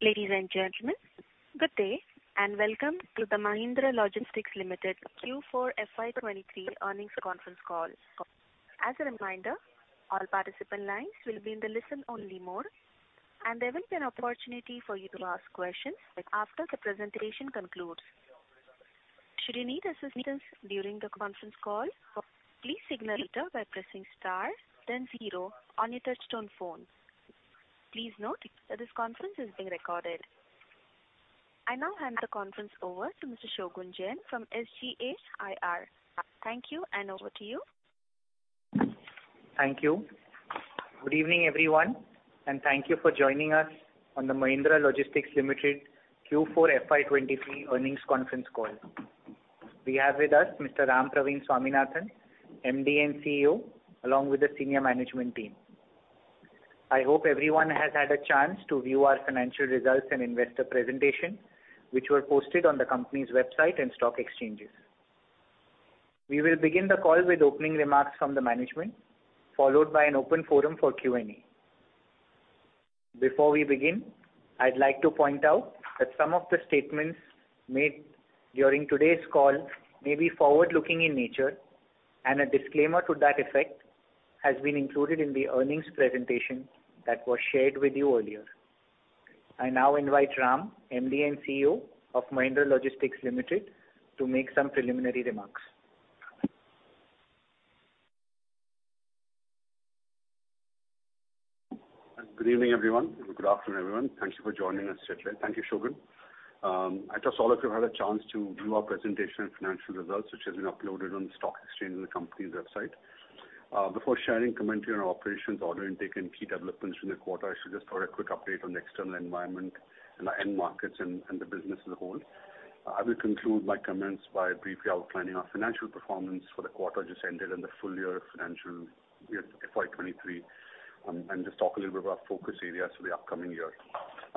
Ladies and gentlemen, good day, welcome to the Mahindra Logistics Limited Q4 FY 2023 earnings conference call. As a reminder, all participant lines will be in the listen-only mode, and there will be an opportunity for you to ask questions after the presentation concludes. Should you need assistance during the conference call, please signal either by pressing Star then zero on your touchtone phone. Please note that this conference is being recorded. I now hand the conference over to Mr. Shagun Jain from SGA. Thank you, over to you. Thank you. Good evening, everyone, and thank you for joining us on the Mahindra Logistics Limited Q4 FY23 earnings conference call. We have with us Mr. Rampraveen Swaminathan, MD and CEO, along with the senior management team. I hope everyone has had a chance to view our financial results and investor presentation, which were posted on the company's website and stock exchanges. We will begin the call with opening remarks from the management, followed by an open forum for Q&A. Before we begin, I'd like to point out that some of the statements made during today's call may be forward-looking in nature, and a disclaimer to that effect has been included in the earnings presentation that was shared with you earlier. I now invite Ram, MD and CEO of Mahindra Logistics Limited, to make some preliminary remarks. Good evening, everyone. Good afternoon, everyone. Thank you for joining us today. Thank you, Shagun. I trust all of you have had a chance to view our presentation and financial results, which has been uploaded on the stock exchange and the company's website. Before sharing commentary on our operations, order intake, and key developments from the quarter, I should just provide a quick update on the external environment and our end markets and the business as a whole. I will conclude my comments by briefly outlining our financial performance for the quarter just ended and the full year financial year FY 2023, and just talk a little bit about focus areas for the upcoming year.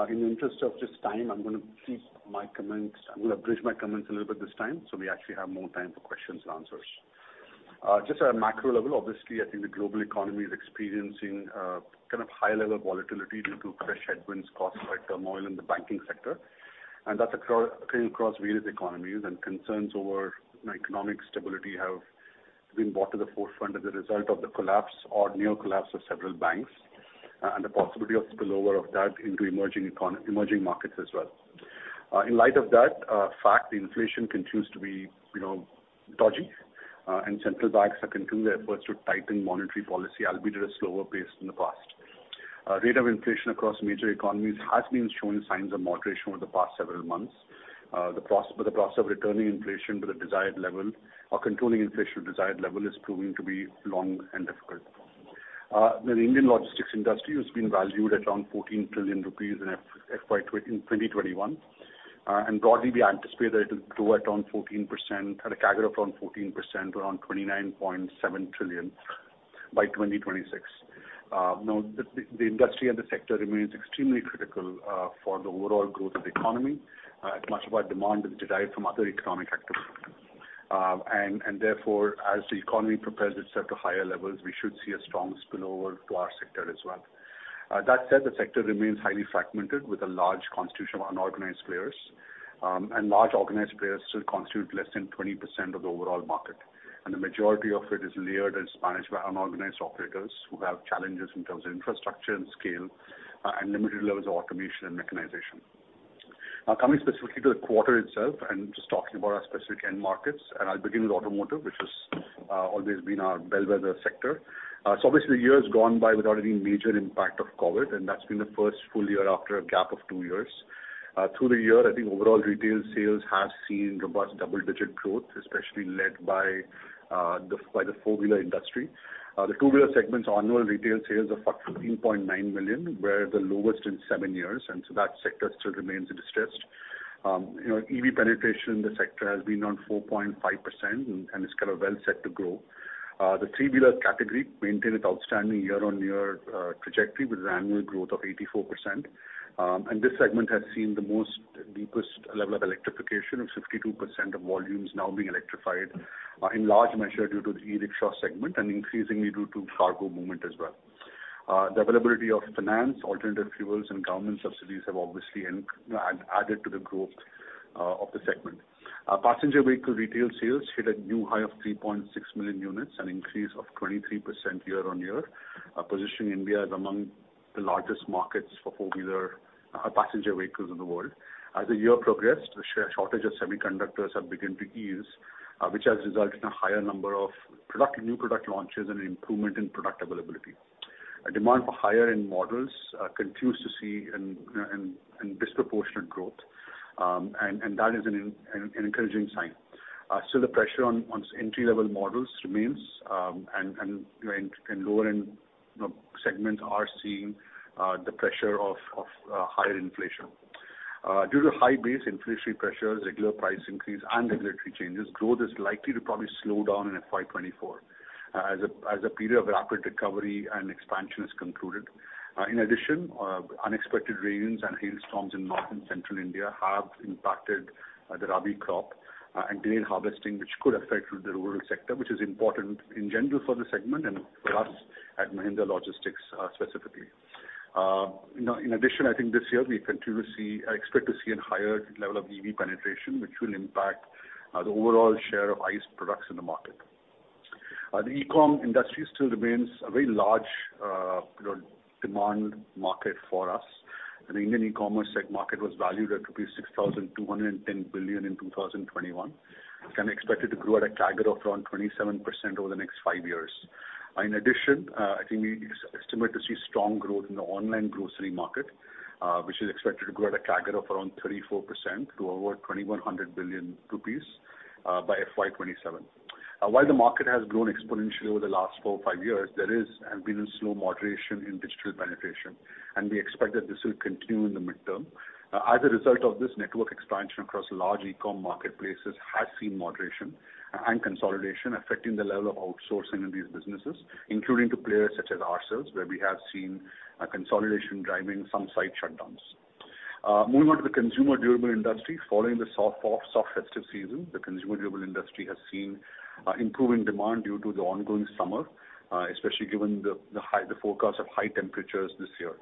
In the interest of just time, I'm gonna keep my comments... I'm gonna bridge my comments a little bit this time, so we actually have more time for questions and answers. Just at a macro level, obviously, I think the global economy is experiencing kind of high-level volatility due to fresh headwinds caused by turmoil in the banking sector, and that's across various economies and concerns over economic stability have been brought to the forefront as a result of the collapse or near collapse of several banks, and the possibility of spillover of that into emerging markets as well. In light of that fact, the inflation continues to be, you know, dodgy, and central banks are continuing their efforts to tighten monetary policy, albeit at a slower pace than the past. Rate of inflation across major economies has been showing signs of moderation over the past several months. The process of returning inflation to the desired level or controlling inflation to desired level is proving to be long and difficult. The Indian logistics industry has been valued at around 14 trillion rupees in FY 2021, and broadly, we anticipate that it'll grow at a CAGR of around 14% to around 29.7 trillion INR by 2026. Now the industry and the sector remains extremely critical for the overall growth of the economy, as much of our demand is derived from other economic activity. Therefore, as the economy prepares itself to higher levels, we should see a strong spillover to our sector as well. That said, the sector remains highly fragmented with a large constitution of unorganized players, and large organized players still constitute less than 20% of the overall market. The majority of it is layered and is managed by unorganized operators who have challenges in terms of infrastructure and scale, and limited levels of automation and mechanization. Now coming specifically to the quarter itself and just talking about our specific end markets, and I'll begin with automotive, which has always been our bellwether sector. Obviously the year has gone by without any major impact of COVID, and that's been the first full year after a gap of two years. Through the year, I think overall retail sales has seen robust double-digit growth, especially led by the four-wheeler industry. The two-wheeler segment's annual retail sales of 14.9 million were the lowest in seven years. That sector still remains in distress. You know, EV penetration in the sector has been around 4.5% and it's kind of well set to grow. The three-wheeler category maintained its outstanding year-on-year trajectory with an annual growth of 84%. This segment has seen the most deepest level of electrification, with 52% of volumes now being electrified, in large measure due to the e-rickshaw segment and increasingly due to cargo movement as well. The availability of finance, alternative fuels, and government subsidies have obviously added to the growth of the segment. Passenger vehicle retail sales hit a new high of 3.6 million units, an increase of 23% year-on-year, positioning India as among the largest markets for four-wheeler passenger vehicles in the world. As the year progressed, the shortage of semiconductors have begun to ease, which has resulted in a higher number of product, new product launches and an improvement in product availability. A demand for higher-end models continues to see a disproportionate growth, and that is an encouraging sign. Still the pressure on entry-level models remains, and, you know, lower-end, you know, segments are seeing the pressure of higher inflation. Due to high base inflationary pressures, regular price increase, and regulatory changes, growth is likely to probably slow down in FY 2024 as a period of rapid recovery and expansion is concluded. In addition, unexpected rains and hailstorms in North and Central India have impacted the rabi crop and grain harvesting, which could affect the rural sector, which is important in general for the segment and for us at Mahindra Logistics specifically. In addition, I think this year we continue to expect to see a higher level of EV penetration, which will impact the overall share of ICE products in the market. The e-com industry still remains a very large, you know, demand market for us. The Indian e-commerce tech market was valued at 6,210 billion in 2021, and expected to grow at a CAGR of around 27% over the next five years. In addition, I think we estimate to see strong growth in the online grocery market, which is expected to grow at a CAGR of around 34% to over 2,100 billion rupees by FY27. While the market has grown exponentially over the last four or five years, there is and been a slow moderation in digital penetration. We expect that this will continue in the midterm. As a result of this network expansion across large e-com marketplaces has seen moderation and consolidation affecting the level of outsourcing in these businesses, including to players such as ourselves, where we have seen a consolidation driving some site shutdowns. Moving on to the consumer durable industry. Following the soft festive season, the consumer durable industry has seen improving demand due to the ongoing summer, especially given the forecast of high temperatures this year.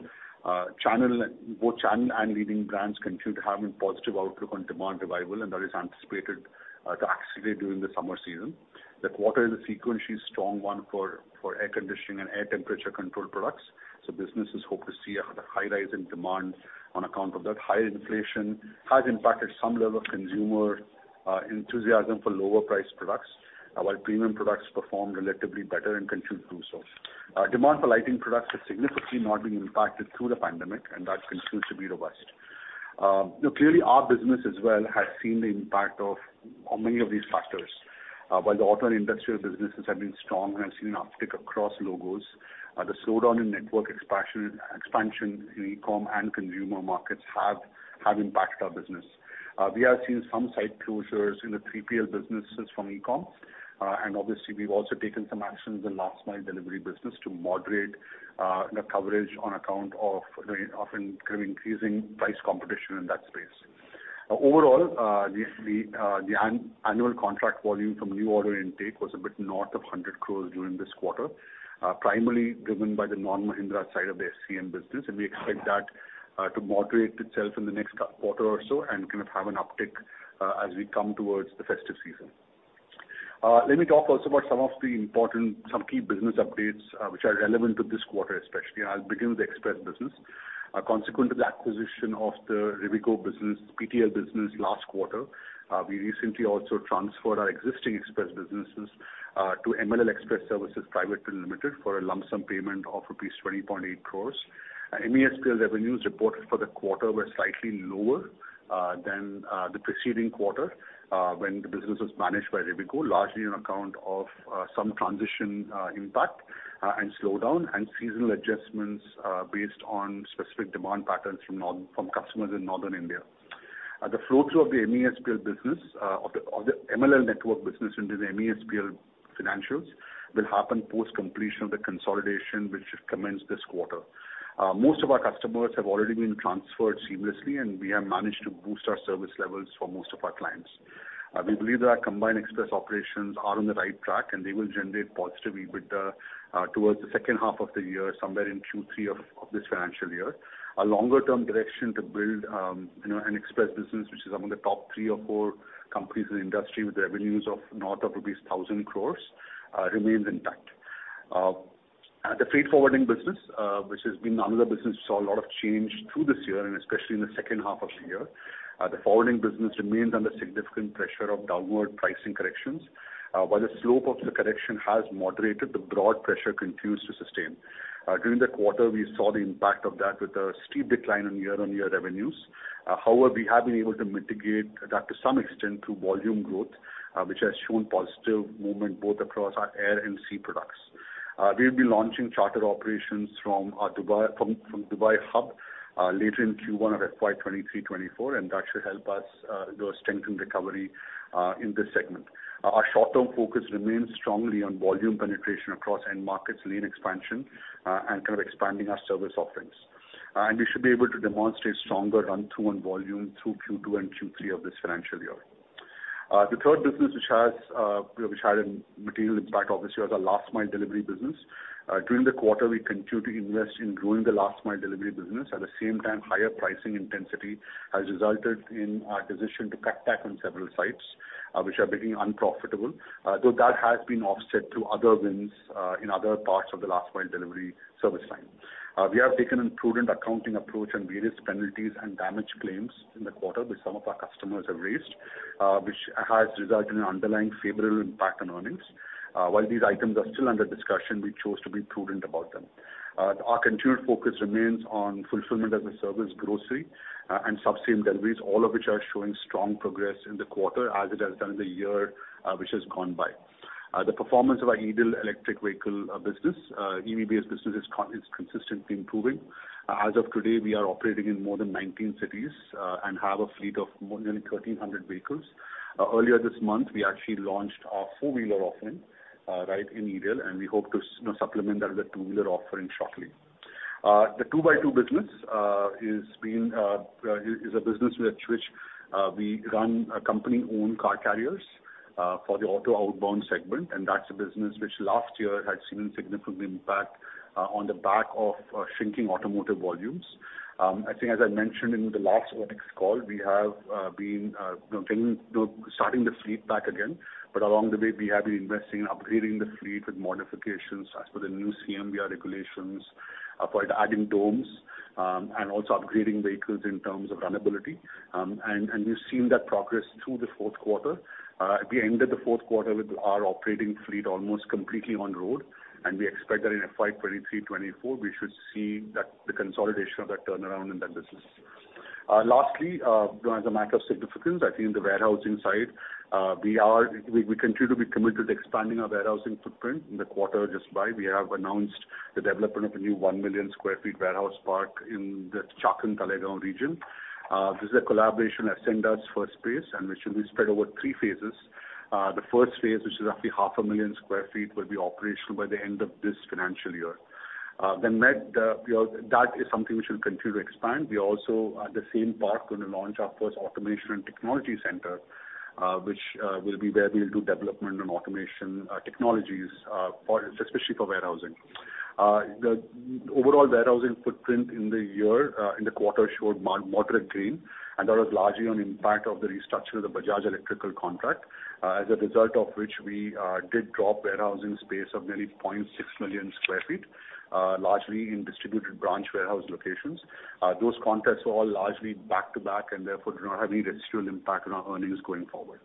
Both channel and leading brands continue to have a positive outlook on demand revival, that is anticipated to accelerate during the summer season. The quarter is a sequentially strong one for air conditioning and air temperature control products, businesses hope to see the high rise in demand on account of that. Higher inflation has impacted some level of consumer enthusiasm for lower priced products, while premium products perform relatively better and continue to do so. Demand for lighting products has significantly not been impacted through the pandemic, and that continues to be robust. You know, clearly our business as well has seen the impact of many of these factors. While the auto and industrial businesses have been strong and have seen an uptick across logos, the slowdown in network expansion in e-com and consumer markets have impacted our business. We have seen some site closures in the 3PL businesses from e-com, and obviously we've also taken some actions in last mile delivery business to moderate the coverage on account of increasing price competition in that space. Overall, the annual contract volume from new order intake was a bit north of 100 crores during this quarter, primarily driven by the non-Mahindra side of the SCM business. We expect that to moderate itself in the next quarter or so and kind of have an uptick as we come towards the festive season. Let me talk also about some key business updates, which are relevant to this quarter especially. I'll begin with the express business. Consequent to the acquisition of the Rivigo business, PTL business last quarter, we recently also transferred our existing express businesses to MLL Express Services Private Limited for a lump sum payment of rupees 20.8 crores. MESPL revenues reported for the quarter were slightly lower than the preceding quarter when the business was managed by Rivigo, largely on account of some transition impact and slowdown and seasonal adjustments based on specific demand patterns from customers in Northern India. The flow through of the MESPL business of the MLL network business into the MESPL financials will happen post-completion of the consolidation which commenced this quarter. Most of our customers have already been transferred seamlessly, and we have managed to boost our service levels for most of our clients. We believe that our combined express operations are on the right track, and they will generate positive EBITDA towards the second half of the year, somewhere in Q3 of this financial year. A longer-term direction to build, you know, an express business which is among the three or four companies in the industry with revenues of north of rupees 1,000 crores, remains intact. At the freight forwarding business, which has been another business saw a lot of change through this year and especially in the second half of the year, the forwarding business remains under significant pressure of downward pricing corrections. While the slope of the correction has moderated, the broad pressure continues to sustain. During the quarter, we saw the impact of that with a steep decline in year-on-year revenues. However, we have been able to mitigate that to some extent through volume growth, which has shown positive movement both across our air and sea products. We'll be launching charter operations from our Dubai hub later in Q1 of FY 2023/2024, and that should help us, you know, strengthen recovery in this segment. Our short-term focus remains strongly on volume penetration across end markets, lane expansion, and kind of expanding our service offerings. We should be able to demonstrate stronger run through on volume through Q2 and Q3 of this financial year. The third business which has, which had a material impact obviously was our last mile delivery business. During the quarter, we continued to invest in growing the last mile delivery business. At the same time, higher pricing intensity has resulted in our decision to cut back on several sites, which are becoming unprofitable, though that has been offset through other wins, in other parts of the last-mile delivery service line. We have taken a prudent accounting approach on various penalties and damage claims in the quarter which some of our customers have raised, which has resulted in an underlying favorable impact on earnings. While these items are still under discussion, we chose to be prudent about them. Our continued focus remains on fulfillment as a service grocery, and same-day deliveries, all of which are showing strong progress in the quarter as it has done in the year, which has gone by. The performance of our EDel Electric Vehicle business, EV-based business is consistently improving. As of today, we are operating in more than 19 cities and have a fleet of more than 1,300 vehicles. Earlier this month, we actually launched our four-wheeler offering right in EDel, and we hope to you know, supplement that with a two-wheeler offering shortly. The 2x2 business is being, is a business which we run company-owned car carriers. For the auto outbound segment, and that's a business which last year had seen a significant impact on the back of shrinking automotive volumes. I think as I mentioned in the last earnings call, we have been you know, starting the fleet back again. Along the way, we have been investing in upgrading the fleet with modifications as per the new CMVR regulations, for adding domes, and also upgrading vehicles in terms of runnability. And we've seen that progress through the fourth quarter. We ended the fourth quarter with our operating fleet almost completely on road, and we expect that in FY 2023/2024, we should see that the consolidation of that turnaround in that business. Lastly, you know, as a matter of significance, I think the warehousing side, we continue to be committed to expanding our warehousing footprint. In the quarter just by, we have announced the development of a new one million sq ft warehouse park in the Chakan-Talegaon region. This is a collaboration, Ascendas-Firstspace, and which will be spread over three phases. The first phase, which is roughly half a million sq ft, will be operational by the end of this financial year. That, that is something we should continue to expand. We also, at the same park, gonna launch our first automation and technology center, which will be where we'll do development and automation technologies for, especially for warehousing. The overall warehousing footprint in the year, in the quarter showed moderate gain, and that was largely on impact of the restructure of the Bajaj Electricals contract, as a result of which we did drop warehousing space of nearly 0.6 million sq ft, largely in distributed branch warehouse locations. Those contracts were all largely back-to-back and therefore do not have any residual impact on our earnings going forward.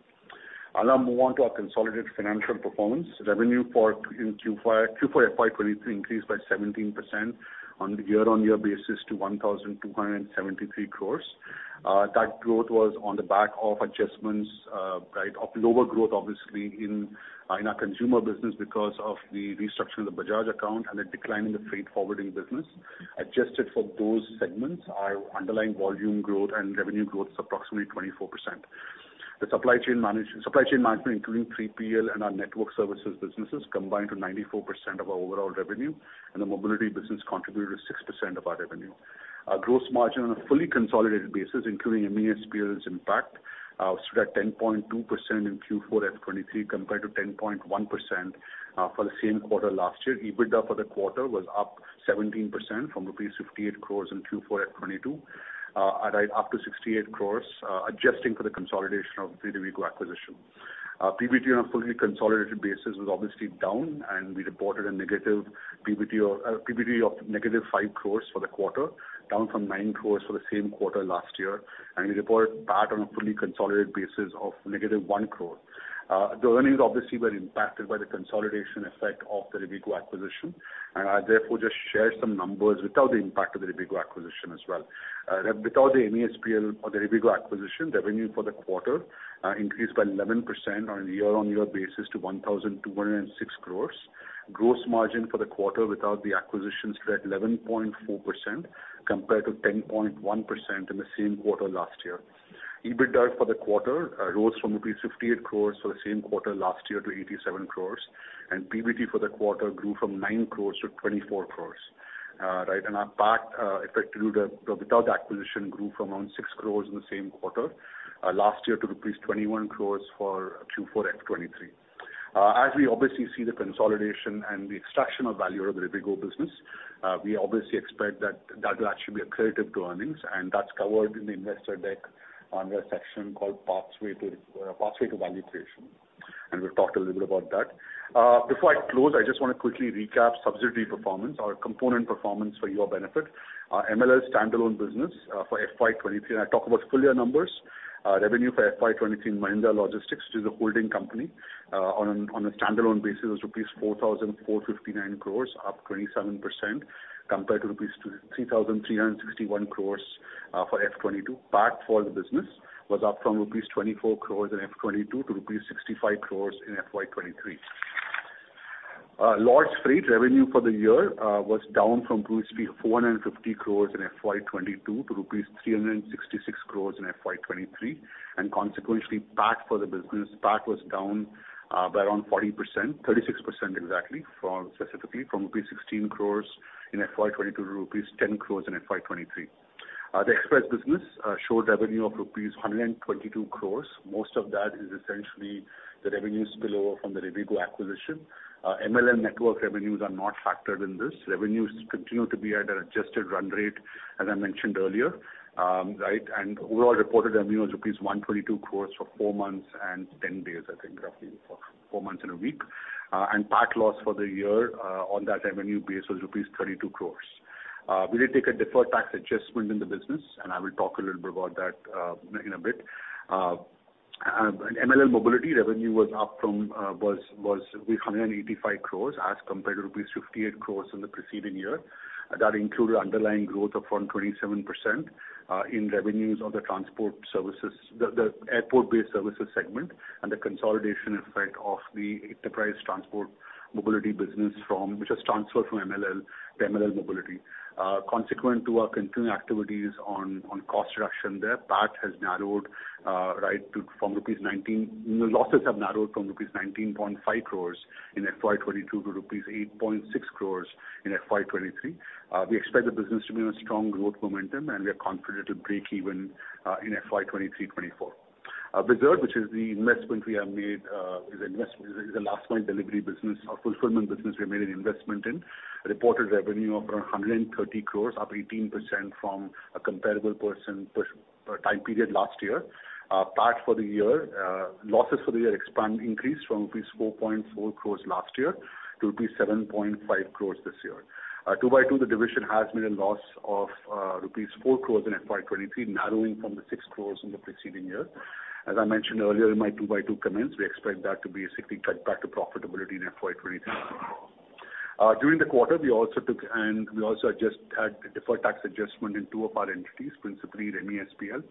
I'll now move on to our consolidated financial performance. Revenue in Q4 FY 2023 increased by 17% on a year-on-year basis to 1,273 crores. That growth was on the back of adjustments, right, of lower growth, obviously, in our consumer business because of the restructure of the Bajaj account and a decline in the freight forwarding business. Adjusted for those segments, our underlying volume growth and revenue growth is approximately 24%. The supply chain management, including 3PL and our network services businesses, combined to 94% of our overall revenue. The mobility business contributed 6% of our revenue. Our gross margin on a fully consolidated basis, including MHPL's impact, stood at 10.2% in Q4 2023, compared to 10.1% for the same quarter last year. EBITDA for the quarter was up 17% from rupees 58 crores in Q4 at 22, right, up to 68 crores, adjusting for the consolidation of the Rivigo acquisition. PBT on a fully consolidated basis was obviously down, and we reported a negative PBT or PBT of negative 5 crores for the quarter, down from 9 crores for the same quarter last year. We report PAT on a fully consolidated basis of negative 1 crore. The earnings obviously were impacted by the consolidation effect of the Rivigo acquisition. I therefore just share some numbers without the impact of the Rivigo acquisition as well. Without the MHEL or the Rivigo acquisition, revenue for the quarter increased by 11% on a year-on-year basis to 1,206 crores. Gross margin for the quarter without the acquisition stood at 11.4% compared to 10.1% in the same quarter last year. EBITDA for the quarter rose from rupees 58 crores for the same quarter last year to 87 crores. PBT for the quarter grew from 9 crores to 24 crores. Right, our PAT without the acquisition grew from around 6 crores in the same quarter last year to rupees 21 crores for Q4 2023. As we obviously see the consolidation and the extraction of value of the Rivigo business, we obviously expect that that will actually be accretive to earnings, and that's covered in the investor deck under a section called Pathway to Pathway to Value Creation. We've talked a little bit about that. Before I close, I just wanna quickly recap subsidiary performance or component performance for your benefit. Our MLL standalone business for FY 23, and I talk about full year numbers. Revenue for FY 23 Mahindra Logistics, which is a holding company, on a standalone basis was rupees 4,459 crores, up 27% compared to rupees 3,361 crores for FY 22. PAT for the business was up from rupees 24 crores in FY 22 to rupees 65 crores in FY 23. Large freight revenue for the year was down from 450 crores rupees in FY 22 to rupees 366 crores in FY 23. Consequently, PAT for the business, PAT was down by around 40%, 36% exactly from, specifically from rupees 16 crores in FY22 to rupees 10 crores in FY23. The express business showed revenue of rupees 122 crores. Most of that is essentially the revenues below from the Rivigo acquisition. MLL network revenues are not factored in this. Revenues continue to be at an adjusted run rate, as I mentioned earlier, right? Overall reported revenue was rupees 122 crores for four months and 10 days, I think, roughly four months and a week. PAT loss for the year on that revenue base was rupees 32 crores. We did take a deferred tax adjustment in the business, and I will talk a little bit about that in a bit. MLL Mobility revenue was up from 185 crores as compared to rupees 58 crores in the preceding year. That included underlying growth of around 27% in revenues of the transport services, the airport-based services segment, and the consolidation effect of the enterprise transport mobility business from which was transferred from MLL to MLL Mobility. Consequent to our continuing activities on cost reduction there, PAT has narrowed. The losses have narrowed from rupees 19.5 crores in FY 2022 to rupees 8.6 crores in FY 2023. We expect the business to be on a strong growth momentum, and we are confident it'll break even in FY 2023-2024. Whizzard, which is the investment we have made, is the last mile delivery business or fulfillment business we made an investment in. Reported revenue of around 130 crores, up 18% from a comparable percent per time period last year. PAT for the year, losses for the year expand increased from rupees 4.4 crores last year to rupees 7.5 crores this year. 2x2, the division has made a loss of rupees 4 crores in FY 2023, narrowing from the 6 crores in the preceding year. As I mentioned earlier in my 2x2 comments, we expect that to basically cut back to profitability in FY 2023-2024. During the quarter, we also took and we also had deferred tax adjustment in two of our entities, principally MESPL,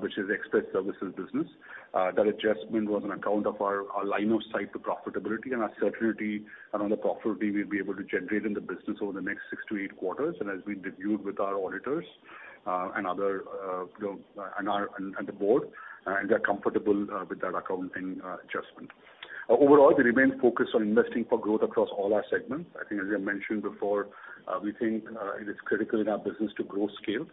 which is the express services business. That adjustment was on account of our line of sight to profitability and our certainty around the profitability we'll be able to generate in the business over the next six to eight quarters. As we reviewed with our auditors, and other, you know, and the board, and they're comfortable with that accounting adjustment. Overall, we remain focused on investing for growth across all our segments. I think as I mentioned before, we think it is critical in our business to grow scale.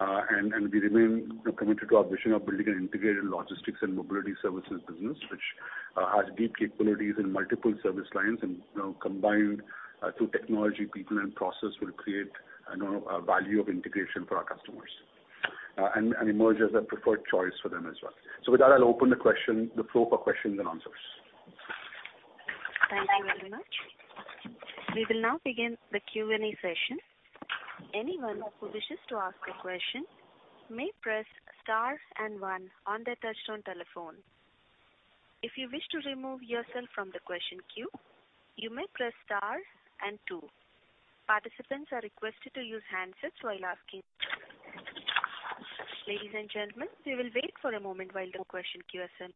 We remain committed to our vision of building an integrated logistics and mobility services business, which has deep capabilities in multiple service lines and, you know, combined through technology, people, and process will create, you know, a value of integration for our customers, and emerge as a preferred choice for them as well. With that, I'll open the floor for questions and answers. Thank you very much. We will now begin the Q&A session. Anyone who wishes to ask a question may press Star and one on their touchtone telephone. If you wish to remove yourself from the question queue, you may press Star and two. Participants are requested to use handsets while asking. Ladies and gentlemen, we will wait for a moment while the question queue assembles.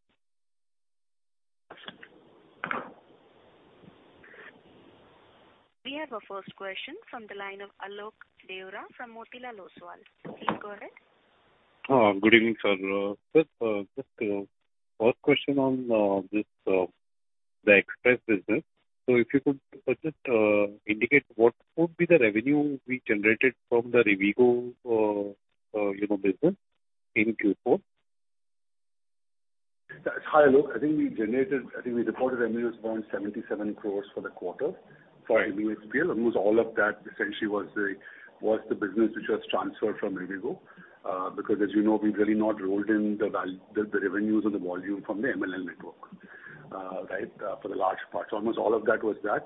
We have our first question from the line of Alok Deora from Motilal Oswal. Please go ahead. Good evening, sir. Just, first question on this, the express business. If you could just indicate what would be the revenue we generated from the Rivigo, you know, business in Q4? Hi, Alok. I think we reported revenues around 77 crores for the quarter. Right. for MESPL. Almost all of that essentially was the business which was transferred from Rivigo. Because as you know, we've really not rolled in the revenues or the volume from the MLL network, right, for the large part. Almost all of that was that.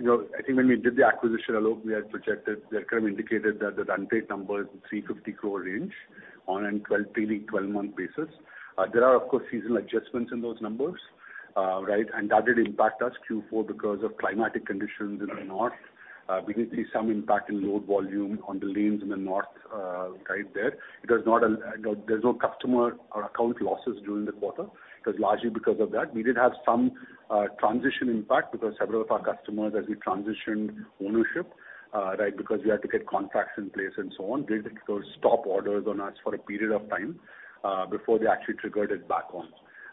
You know, I think when we did the acquisition, Alok, we had projected, we had kind of indicated that the run rate number is 350 crore range on a yearly 12-month basis. There are of course seasonal adjustments in those numbers, right? That did impact us Q4 because of climatic conditions in the north. We did see some impact in load volume on the lanes in the north, right there. It was not, you know, there's no customer or account losses during the quarter. It was largely because of that. We did have some transition impact because several of our customers, as we transitioned ownership, right, because we had to get contracts in place and so on, they did those stop orders on us for a period of time before they actually triggered it back on.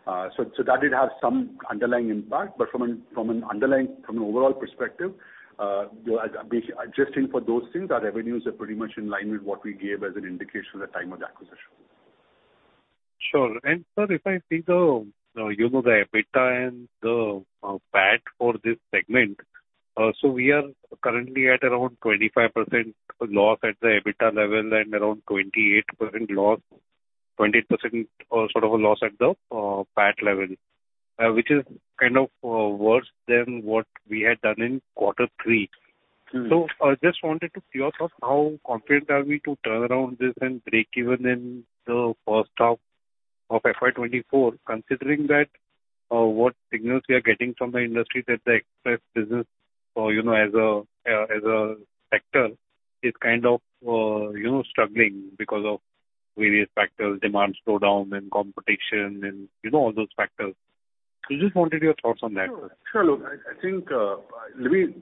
That did have some underlying impact. From an overall perspective, you know, as adjusting for those things, our revenues are pretty much in line with what we gave as an indication at the time of the acquisition. Sure. Sir, if I see the, you know, the EBITDA and the PAT for this segment, so we are currently at around 25% loss at the EBITDA level and around 28% loss, 28%, sort of a loss at the PAT level, which is kind of, worse than what we had done in quarter three. I just wanted to hear, sir, how confident are we to turn around this and break even in the first half of FY 2024, considering that, what signals we are getting from the industry that the express business, you know, as a sector is kind of, you know, struggling because of various factors, demand slowdown and competition and, you know, all those factors? Just wanted your thoughts on that, sir. Sure. Sure, Alok. I think let me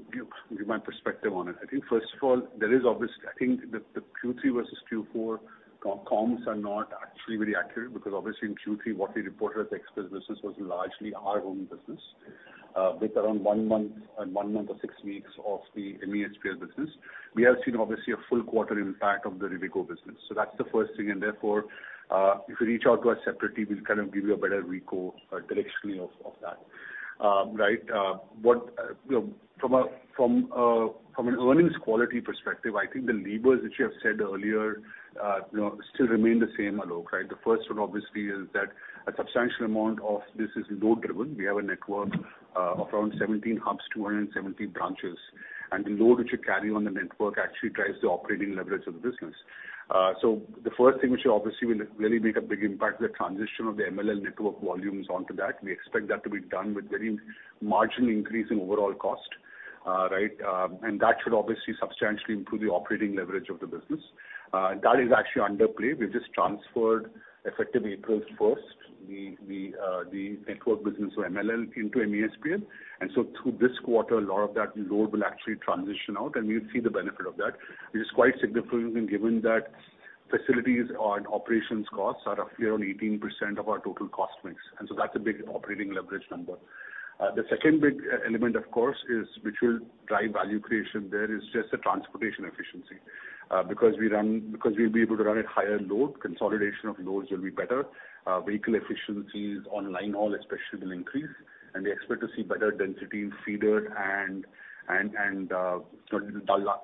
give my perspective on it. I think first of all, there is obviously I think the Q3 versus Q4 comms are not actually very accurate because obviously in Q3, what we reported as the express business was largely our own business, with around one month or six weeks of the MESPL business. We have seen obviously a full quarter impact of the Rivigo business. That's the first thing. Therefore, if you reach out to our separate team, we'll kind of give you a better recall directionally of that. Right, what, you know, from an earnings quality perspective, I think the levers which you have said earlier, you know, still remain the same, Alok, right? The first one obviously is that a substantial amount of this is load-driven. We have a network of around 17 hubs, 217 branches, and the load which you carry on the network actually drives the operating leverage of the business. So the first thing which obviously will really make a big impact is the transition of the MLL network volumes onto that. We expect that to be done with very marginal increase in overall cost, right? And that should obviously substantially improve the operating leverage of the business. That is actually under play. We've just transferred effective April 1st the network business of MLL into MESPL. Through this quarter, a lot of that load will actually transition out, and we'll see the benefit of that, which is quite significant given that facilities or operations costs are roughly around 18% of our total cost mix. That's a big operating leverage number. The second big element of course is which will drive value creation there is just the transportation efficiency. Because we'll be able to run at higher load, consolidation of loads will be better. Vehicle efficiencies on line haul especially will increase, and we expect to see better density in feeder and the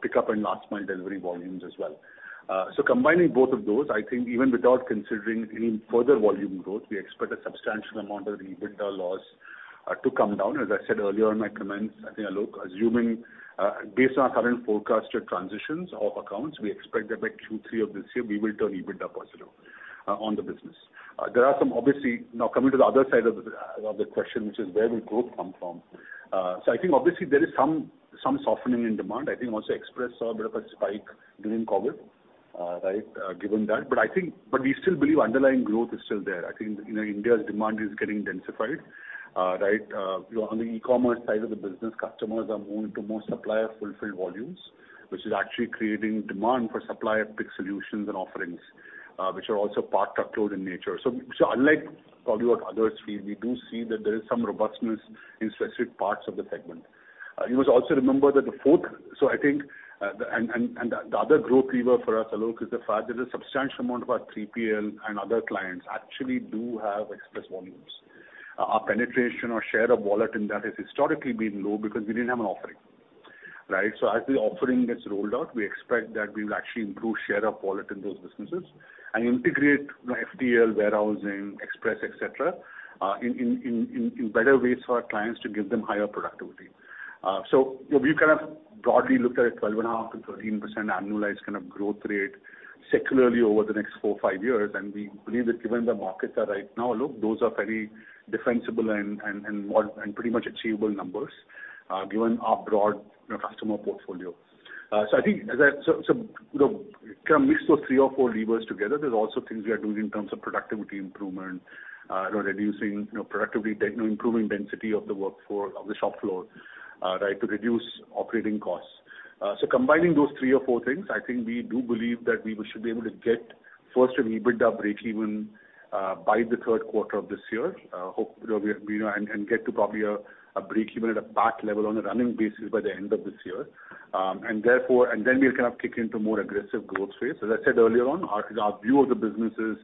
pickup and last mile delivery volumes as well. So combining both of those, I think even without considering any further volume growth, we expect a substantial amount of the EBITDA loss to come down. As I said earlier in my comments, I think, Alok, assuming, based on our current forecasted transitions of accounts, we expect that by Q3 of this year we will turn EBITDA positive on the business. There are some obviously. Now coming to the other side of the question, which is where will growth come from? I think obviously there is some softening in demand. I think also Express saw a bit of a spike during COVID, right, given that. We still believe underlying growth is still there. I think, you know, India's demand is getting densified, right? You know, on the e-commerce side of the business, customers are more into more supplier fulfilled volumes, which is actually creating demand for supplier pick solutions and offerings, which are also part truckload in nature. Unlike probably what others feel, we do see that there is some robustness in specific parts of the segment. You must also remember that the fourth... I think the other growth lever for us, Alok, is the fact that a substantial amount of our 3PL and other clients actually do have express volumes. Our penetration or share of wallet in that has historically been low because we didn't have an offering, right? As the offering gets rolled out, we expect that we will actually improve share of wallet in those businesses and integrate, you know, FTL warehousing, express, et cetera, in better ways for our clients to give them higher productivity. So, you know, we kind of broadly looked at a 12.5%-13% annualized kind of growth rate secularly over the next four, five years. We believe that given the markets are right now, Alok, those are very defensible and pretty much achievable numbers, given our broad, you know, customer portfolio. I think. You know, kind of mix those three or four levers together. There's also things we are doing in terms of productivity improvement, you know, reducing, you know, productivity, tech, you know, improving density of the workforce, of the shop floor, right, to reduce operating costs. Combining those three or four things, I think we should be able to get first an EBITDA breakeven by the third quarter of this year. hope, you know, and get to probably a breakeven at a PAT level on a running basis by the end of this year. Then we'll kind of kick into more aggressive growth phase. As I said earlier on, our view of the business is,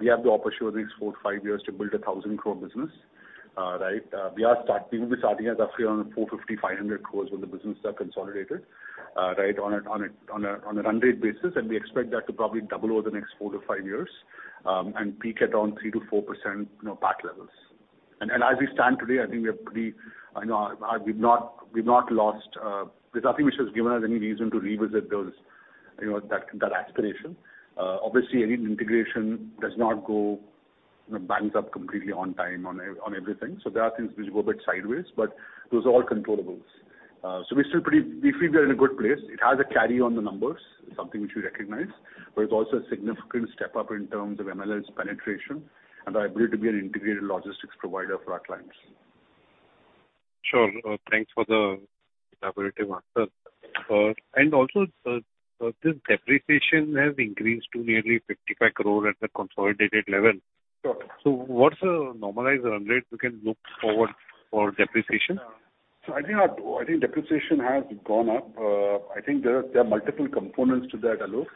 we have the opportunity over these four to five years to build a 1,000 crore business, right? We'll be starting at roughly around 450, 500 crores when the business are consolidated, right, on a run rate basis. We expect that to probably double over the next four to five years and peak at around 3%-4%, you know, PAT levels. As we stand today, I think we are pretty... You know, we've not lost. There's nothing which has given us any reason to revisit those, you know, that aspiration. Obviously any integration does not go, you know, bangs up completely on time on everything. There are things which go a bit sideways, but those are all controllables. We're still pretty. We feel we are in a good place. It has a carry on the numbers, something which we recognize, but it's also a significant step up in terms of MLL's penetration and our ability to be an integrated logistics provider for our clients. Sure. Thanks for the collaborative answer. This depreciation has increased to nearly 55 crore at the consolidated level. Sure. What's the normalized run rate we can look forward for depreciation? I think depreciation has gone up. I think there are multiple components to that, Alok.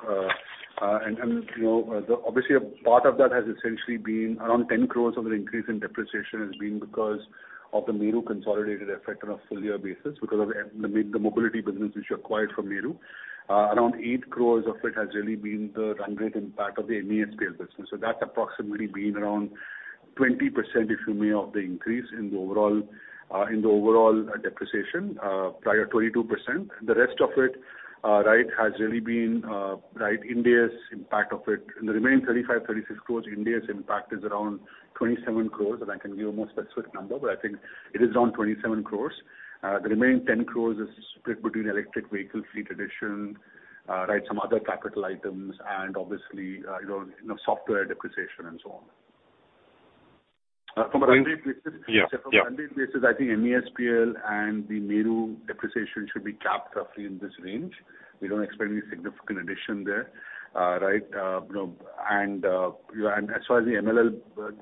And, you know, obviously a part of that has essentially been around 10 crores of the increase in depreciation has been because of the Meru consolidated effect on a full year basis because of the mobility business which you acquired from Meru. Around 8 crores of it has really been the run rate impact of the MESPL business. That's approximately been around 20%, if you may, of the increase in the overall in the overall depreciation, prior 22%. The rest of it, right, has really been, right, India's impact of it. In the remaining 35-36 crores, India's impact is around 27 crores. I can give a more specific number, but I think it is around 27 crores. The remaining 10 crores is split between electric vehicle fleet addition, right, some other capital items and obviously, you know, software depreciation and so on. From a run rate basis. Yeah, yeah. From a run rate basis, I think MESPL and the Meru depreciation should be capped roughly in this range. We don't expect any significant addition there, right. You know, and as far as the MLL,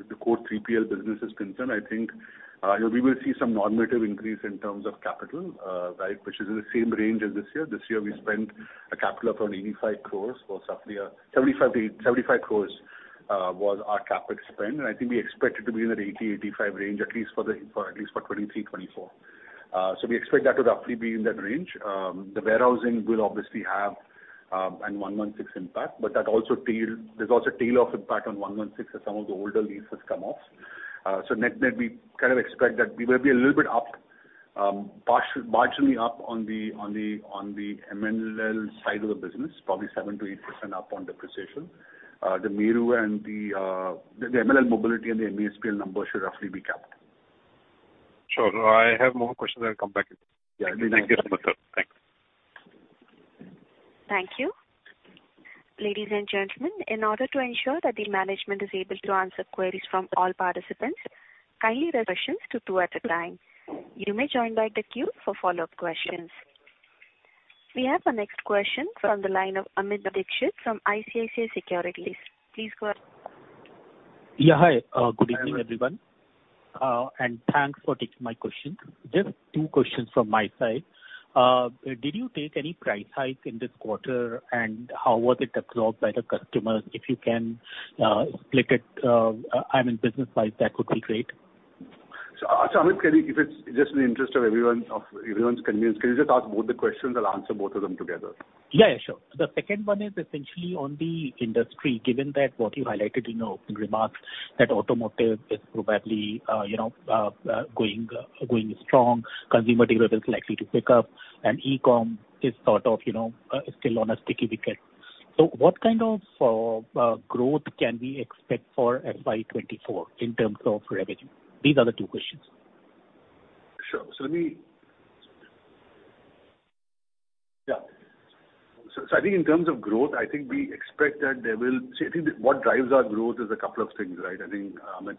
the core 3PL business is concerned, I think, you know, we will see some normative increase in terms of capital, right, which is in the same range as this year. This year we spent a capital of around 85 crores for roughly, 75 crores was our CapEx spend, and I think we expect it to be in the 80-85 range, at least for 2023, 2024. So we expect that to roughly be in that range. The warehousing will obviously have an Ind AS 116 impact, but that also there's also a tail off impact on Ind AS 116 as some of the older leases come off. So net net we kind of expect that we will be a little bit up, marginally up on the, on the, on the MLL side of the business, probably 7%-8% up on depreciation. The Meru and the MLL Mobility and the MESPL number should roughly be capped. Sure. I have more questions. I'll come back. Yeah. Thank you so much, sir. Thanks. Thank you. Ladies and gentlemen, in order to ensure that the management is able to answer queries from all participants, kindly raise questions to two at a time. You may join back the queue for follow-up questions. We have our next question from the line of Amit Dixit from ICICI Securities. Please go ahead. Hi. Good evening, everyone, thanks for taking my question. Just two questions from my side. Did you take any price hike in this quarter, and how was it absorbed by the customers? If you can, split it, I mean, business-wise, that would be great. Amit, can you, if it is just in the interest of everyone's convenience, can you just ask both the questions? I will answer both of them together. Yeah, sure. The second one is essentially on the industry, given that what you highlighted in your opening remarks that automotive is probably, you know, going strong, consumer durable is likely to pick up and e-com is sort of, you know, still on a sticky wicket. What kind of growth can we expect for FY24 in terms of revenue? These are the two questions. Sure. Let me. Yeah. I think in terms of growth, I think we expect that there will. See, I think what drives our growth is a couple of things, right? I think,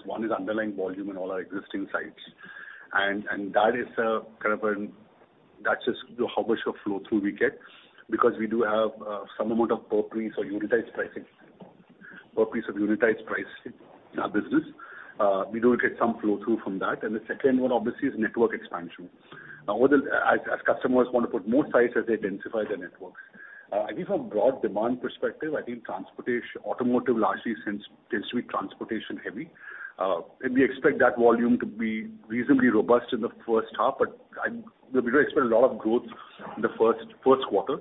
one is underlying volume in all our existing sites, and that is, kind of an. That's just how much of flow through we get because we do have, some amount of properties or unitized pricing in our business. We do get some flow through from that. The second one obviously is network expansion. As customers wanna put more sites as they densify their networks. I think from broad demand perspective, I think automotive largely tends to be transportation heavy. We expect that volume to be reasonably robust in the first half, but we do expect a lot of growth in the first quarter.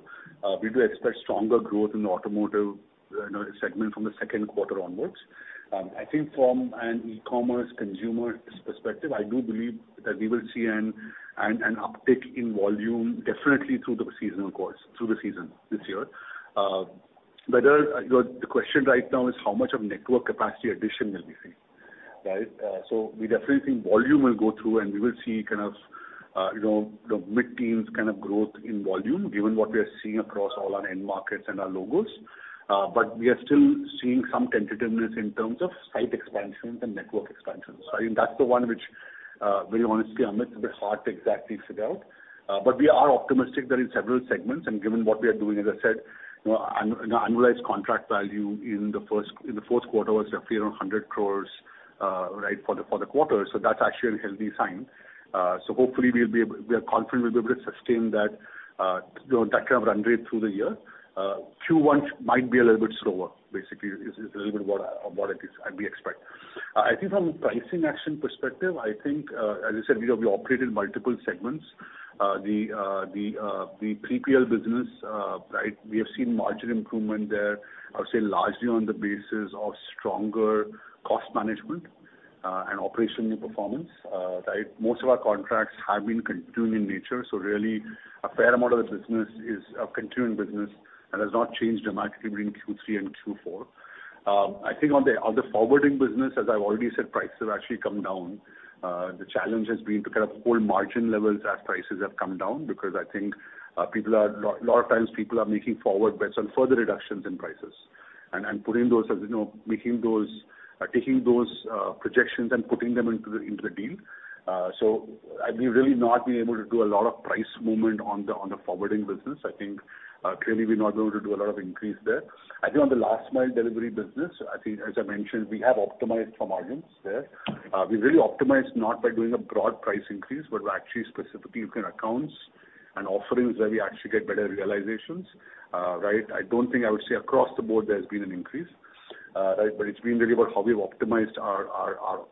We do expect stronger growth in the automotive, you know, segment from the second quarter onwards. I think from an e-commerce consumer's perspective, I do believe that we will see an uptick in volume definitely through the seasonal course, through the season this year. The question right now is how much of network capacity addition will we see, right? We definitely think volume will go through and we will see kind of, you know, mid-teens kind of growth in volume given what we are seeing across all our end markets and our logos. We are still seeing some tentativeness in terms of site expansion and network expansion. I think that's the one which, very honestly, Amit, it's a bit hard to exactly figure out. We are optimistic that in several segments and given what we are doing, as I said, you know, an annualized contract value in the first, in the fourth quarter was roughly around 100 crores, right, for the quarter. That's actually a healthy sign. Hopefully we are confident we'll be able to sustain that, you know, that kind of run rate through the year. Q1 might be a little bit slower, basically is a little bit what it is and we expect. I think from a pricing action perspective, I think, as I said, we operate in multiple segments. The 3PL business, we have seen margin improvement there, I would say largely on the basis of stronger cost management and operational performance. Most of our contracts have been continuing in nature. Really a fair amount of the business is a continuing business and has not changed dramatically between Q3 and Q4. I think on the forwarding business, as I've already said, prices have actually come down. The challenge has been to kind of hold margin levels as prices have come down because I think lot of times people are making forward bets on further reductions in prices and putting those, as you know, making those, taking those projections and putting them into the deal. We've really not been able to do a lot of price movement on the, on the forwarding business. I think, clearly we're not going to do a lot of increase there. I think on the last mile delivery business, I think as I mentioned, we have optimized for margins there. We really optimized not by doing a broad price increase, but actually specifically looking at accounts and offerings where we actually get better realizations, right. I don't think I would say across the board there has been an increase, right. It's been really about how we've optimized our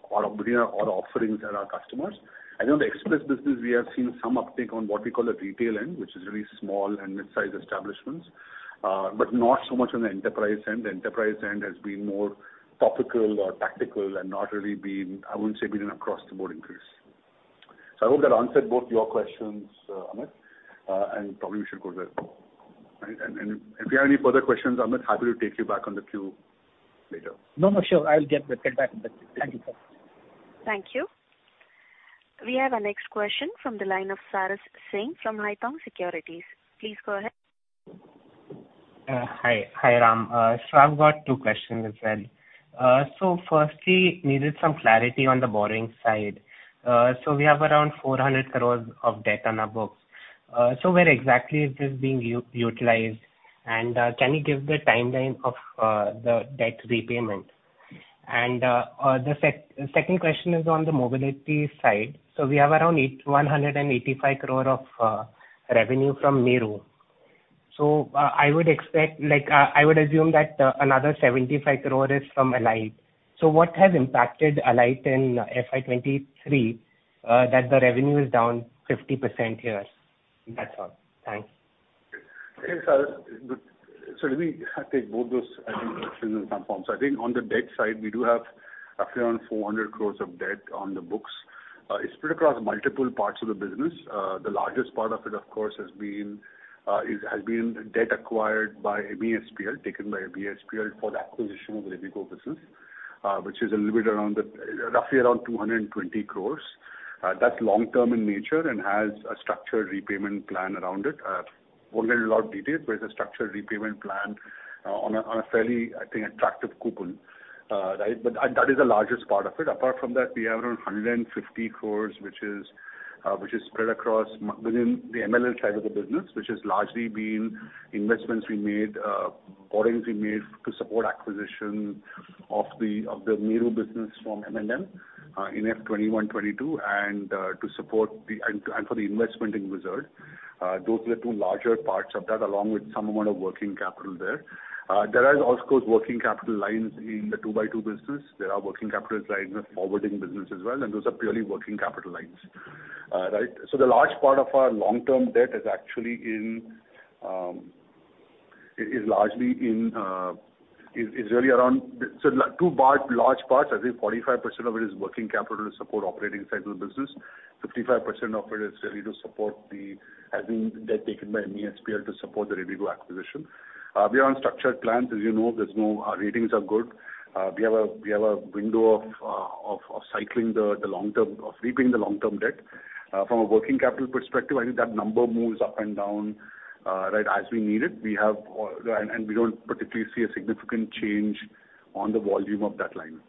offerings and our customers. I think on the express business we have seen some uptick on what we call the retail end, which is really small and mid-sized establishments, but not so much on the enterprise end. The enterprise end has been more topical or tactical and not really been, I wouldn't say been an across the board increase. I hope that answered both your questions, Amit, and probably we should go there. If you have any further questions, Amit, happy to take you back on the queue later. No, no, sure. I'll get back. Thank you, sir. Thank you. We have our next question from the line of Sarath Singh from Haitong Securities. Please go ahead. Hi. Hi, Ram. I've got two questions as well. Firstly, needed some clarity on the borrowing side. We have around 400 crore of debt on our books. Where exactly is this being utilized? Can you give the timeline of the debt repayment? The second question is on the mobility side. We have around 185 crore of revenue from Meru. I would expect like, I would assume that another 75 crore is from Alyte. What has impacted Alyte in FY23 that the revenue is down 50% here? That's all. Thanks. Okay, Sarath. Let me take both those, I think, questions in some form. I think on the debt side, we do have roughly around 400 crores of debt on the books. It's spread across multiple parts of the business. The largest part of it, of course, has been debt acquired by ABSPL, taken by ABSPL for the acquisition of the Rivigo business, which is a little bit around the, roughly around 220 crores. That's long-term in nature and has a structured repayment plan around it. Won't get into a lot of details, but it's a structured repayment plan, on a, on a fairly, I think, attractive coupon, right. That is the largest part of it. Apart from that, we have around 150 crores which is spread across within the MLL side of the business, which has largely been investments we made, borrowings we made to support acquisition of the Meru business from M&M in F '21-'22, and for the investment in Whizzard. Those were the two larger parts of that, along with some amount of working capital there. There are also, of course, working capital lines in the 2x2 Logistics business. There are working capital lines in the forwarding business as well, and those are purely working capital lines. Right. The large part of our long-term debt is actually in, is largely in, is really around... Two part, large parts, I think 45% of it is working capital to support operating cycle business. 55% of it is really to support the, has been debt taken by me and SP to support the Rivigo acquisition. We are on structured plans. As you know, there's no... Our ratings are good. We have a, we have a window of repaying the long-term debt. From a working capital perspective, I think that number moves up and down, right as we need it. We have. We don't particularly see a significant change on the volume of that line.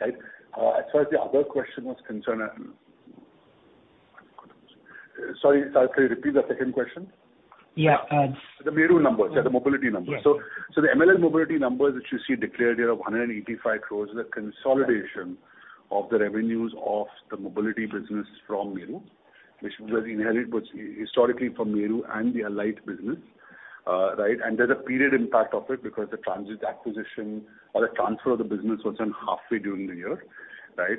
Right. As far as the other question was concerned, Sorry, could you repeat the second question? Yeah. The Meru numbers. Yeah, the mobility numbers. Yes. The MLL Mobility numbers which you see declared here of 185 crores is a consolidation of the revenues of the mobility business from Meru, which was inherited historically from Meru and the Alyte business, right. There's a period impact of it because the transit acquisition or the transfer of the business was done halfway during the year, right.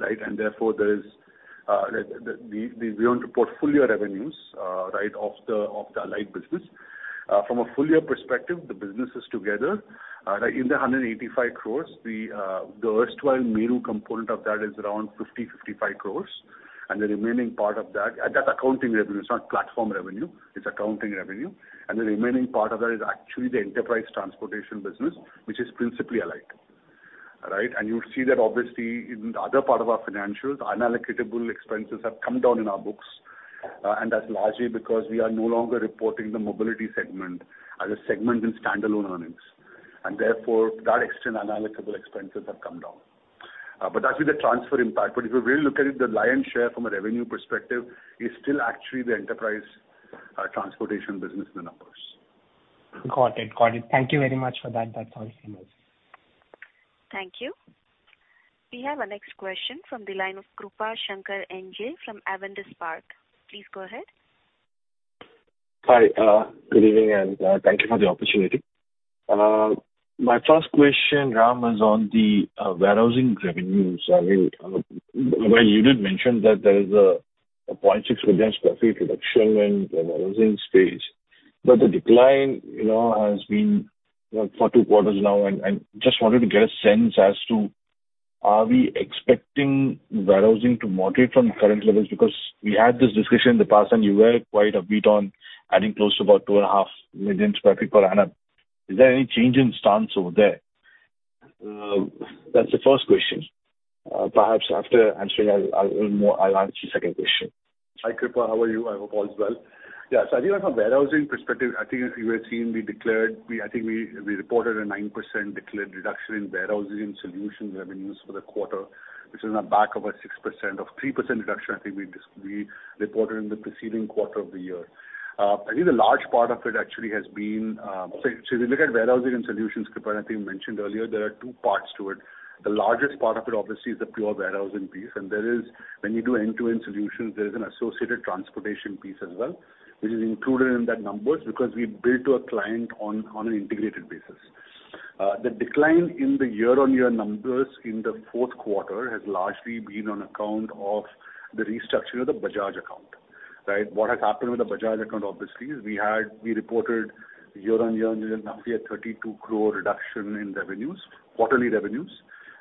Right. Therefore, there is, the, we want to report full year revenues, right, of the Alyte business. From a full year perspective, the businesses together, in the 185 crores, the erstwhile Meru component of that is around 50-55 crores. The remaining part of that. That's accounting revenue. It's not platform revenue. It's accounting revenue. The remaining part of that is actually the enterprise transportation business, which is principally Alyte. Right? You'll see that obviously in the other part of our financials, unallocatable expenses have come down in our books, and that's largely because we are no longer reporting the mobility segment as a segment in standalone earnings. Therefore, that external unallocatable expenses have come down. That's with the transfer impact. If you really look at it, the lion's share from a revenue perspective is still actually the enterprise transportation business in the numbers. Got it. Thank you very much for that. That's all from us. Thank you. We have our next question from the line of Krupa Shankar N J from Avendus Spark. Please go ahead. Hi, good evening, thank you for the opportunity. My first question, Ram, is on the warehousing revenues. I mean, well you did mention that there is a 0.6 million sq ft reduction in the warehousing space, but the decline, you know, has been, you know, for two quarters now. I just wanted to get a sense as to are we expecting warehousing to moderate from current levels? Because we had this discussion in the past, and you were quite upbeat on adding close to about 2.5 million sq ft per annum. Is there any change in stance over there? That's the first question. Perhaps after answering I'll learn more. I'll ask you second question. Hi, Krupa. How are you? I hope all is well. Yeah. I think from a warehousing perspective, I think as you were seeing, we reported a 9% declared reduction in warehousing solutions revenues for the quarter, which is on the back of a 6% or 3% reduction I think we reported in the preceding quarter of the year. I think a large part of it actually has been. If you look at warehousing and solutions, Krupa, I think we mentioned earlier, there are two parts to it. The largest part of it obviously is the pure warehousing piece. There is, when you do end-to-end solutions, there is an associated transportation piece as well, which is included in that numbers because we bill to a client on an integrated basis. The decline in the year-on-year numbers in the fourth quarter has largely been on account of the restructure of the Bajaj account, right? What has happened with the Bajaj account obviously is we reported year-on-year nearly a 32 crore reduction in revenues, quarterly revenues,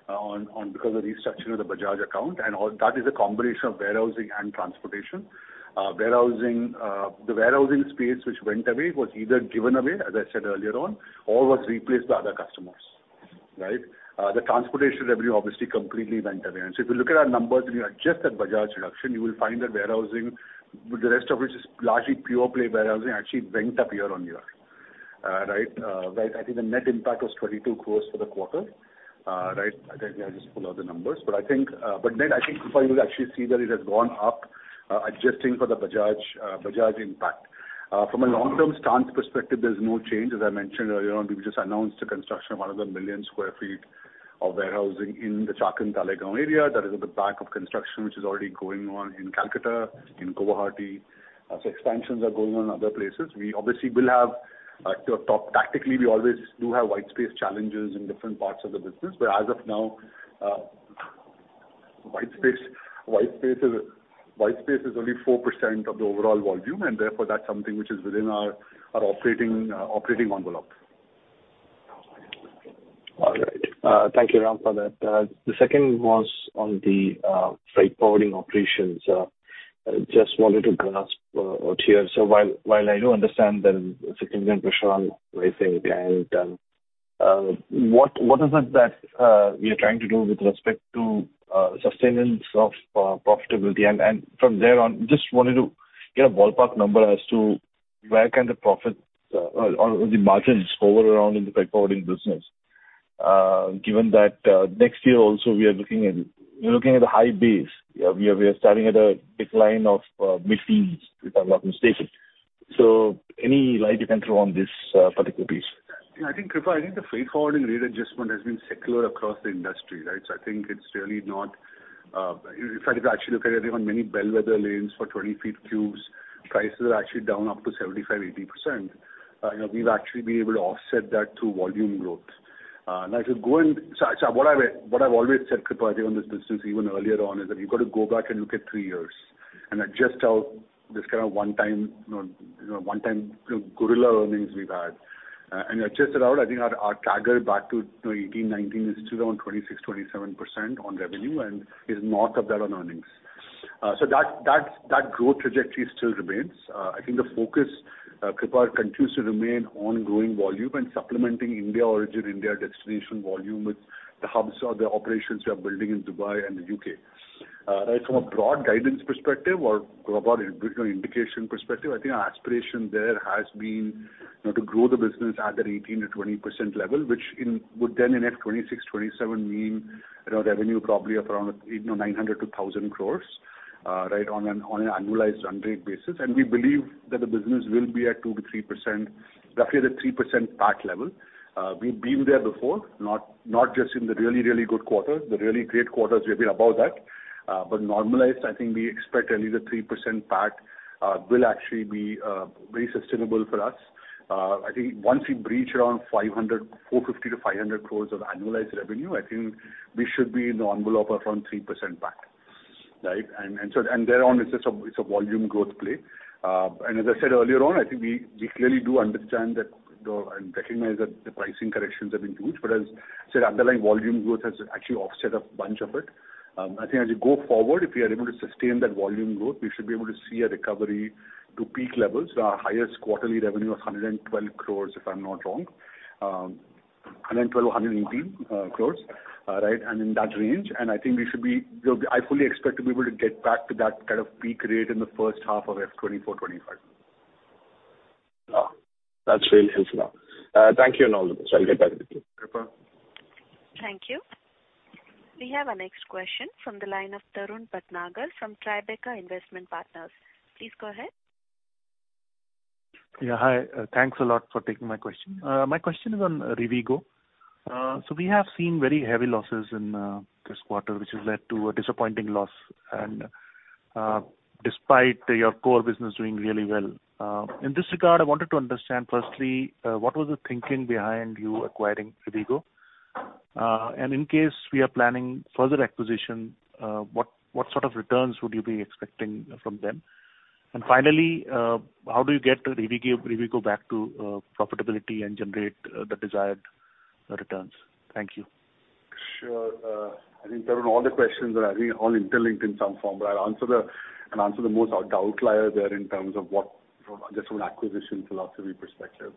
because of restructuring of the Bajaj account and all that is a combination of warehousing and transportation. Warehousing, the warehousing space which went away was either given away, as I said earlier on, or was replaced by other customers, right? The transportation revenue obviously completely went away. If you look at our numbers and you adjust that Bajaj reduction, you will find that warehousing, the rest of which is largely pure play warehousing, actually went up year-on-year, right? Where I think the net impact was 22 crores for the quarter, right. I think I just pulled out the numbers. Net I think, Krupa, you'll actually see that it has gone up, adjusting for the Bajaj impact. From a long-term stance perspective, there's no change. As I mentioned earlier on, we've just announced the construction of another 1 million sq ft of warehousing in the Chakan Talegaon area. That is at the back of construction which is already going on in Calcutta, in Guwahati. Expansions are going on in other places. We obviously will have to talk tactically, we always do have white space challenges in different parts of the business. As of now, white space is only 4% of the overall volume and therefore that's something which is within our operating operating envelope. All right. Thank you, Ram, for that. The second was on the freight forwarding operations. Just wanted to grasp what here. While I do understand there is a significant pressure on pricing and what is it that we are trying to do with respect to sustenance of profitability? From there on, just wanted to get a ballpark number as to where can the profits or the margins hover around in the freight forwarding business. Given that next year also we are looking at a high base. We are starting at a decline of mid-teens with our volume stations. Any light you can throw on this particular piece. Yeah, I think, Krupa, I think the freight forward and rate adjustment has been secular across the industry, right? I think it's really not, in fact, if you actually look at it, I think on many bellwether lanes for 20 feet cubes, prices are actually down up to 75%-80%. You know, we've actually been able to offset that through volume growth. What I've always said, Krupa, I think on this business even earlier on, is that you've got to go back and look at three years and adjust out this kind of onetime gorilla earnings we've had. And adjust that out, I think our CAGR back to, you know, 2018, 2019 is still around 26%-27% on revenue and is north of that on earnings. That growth trajectory still remains. I think the focus, Krupa, continues to remain on growing volume and supplementing India origin, India destination volume with the hubs or the operations we are building in Dubai and the UK. Right from a broad guidance perspective or about indication perspective, I think our aspiration there has been, you know, to grow the business at that 18%-20% level, which would then in F 2026-2027 mean, you know, revenue probably of around, you know, 900-1,000 crores, right on an, on an annualized run rate basis. We believe that the business will be at 2%-3%, roughly the 3% PAT level. We've been there before, not just in the really good quarters. The really great quarters we've been above that. Normalized, I think we expect only the 3% PAT will actually be very sustainable for us. I think once we breach around 450 crore-500 crore of annualized revenue, I think we should be in the envelope of around 3% PAT, right? Thereon it's just a volume growth play. As I said earlier on, I think we clearly do understand and recognize that the pricing corrections have been huge, but as I said, underlying volume growth has actually offset a bunch of it. I think as you go forward, if we are able to sustain that volume growth, we should be able to see a recovery to peak levels, our highest quarterly revenue of 112 crore, if I'm not wrong. 112-118 crores, right, and in that range. I think we'll be I fully expect to be able to get back to that kind of peak rate in the first half of FY2024-2025. Oh, that's really helpful. Thank you and all the best. I'll get back with you. Krupa. Thank you. We have our next question from the line of Tarun Bhatnagar from Tribeca Investment Partners. Please go ahead. Yeah, hi. Thanks a lot for taking my question. My question is on Rivigo. We have seen very heavy losses in this quarter, which has led to a disappointing loss and despite your core business doing really well. In this regard, I wanted to understand firstly, what was the thinking behind you acquiring Rivigo? In case we are planning further acquisition, what sort of returns would you be expecting from them? Finally, how do you get Rivigo back to profitability and generate the desired returns? Thank you. Sure. I think, Tarun, all the questions are, I think, all interlinked in some form, but I'll answer the most outlier there in terms of what, you know, just from an acquisition philosophy perspective.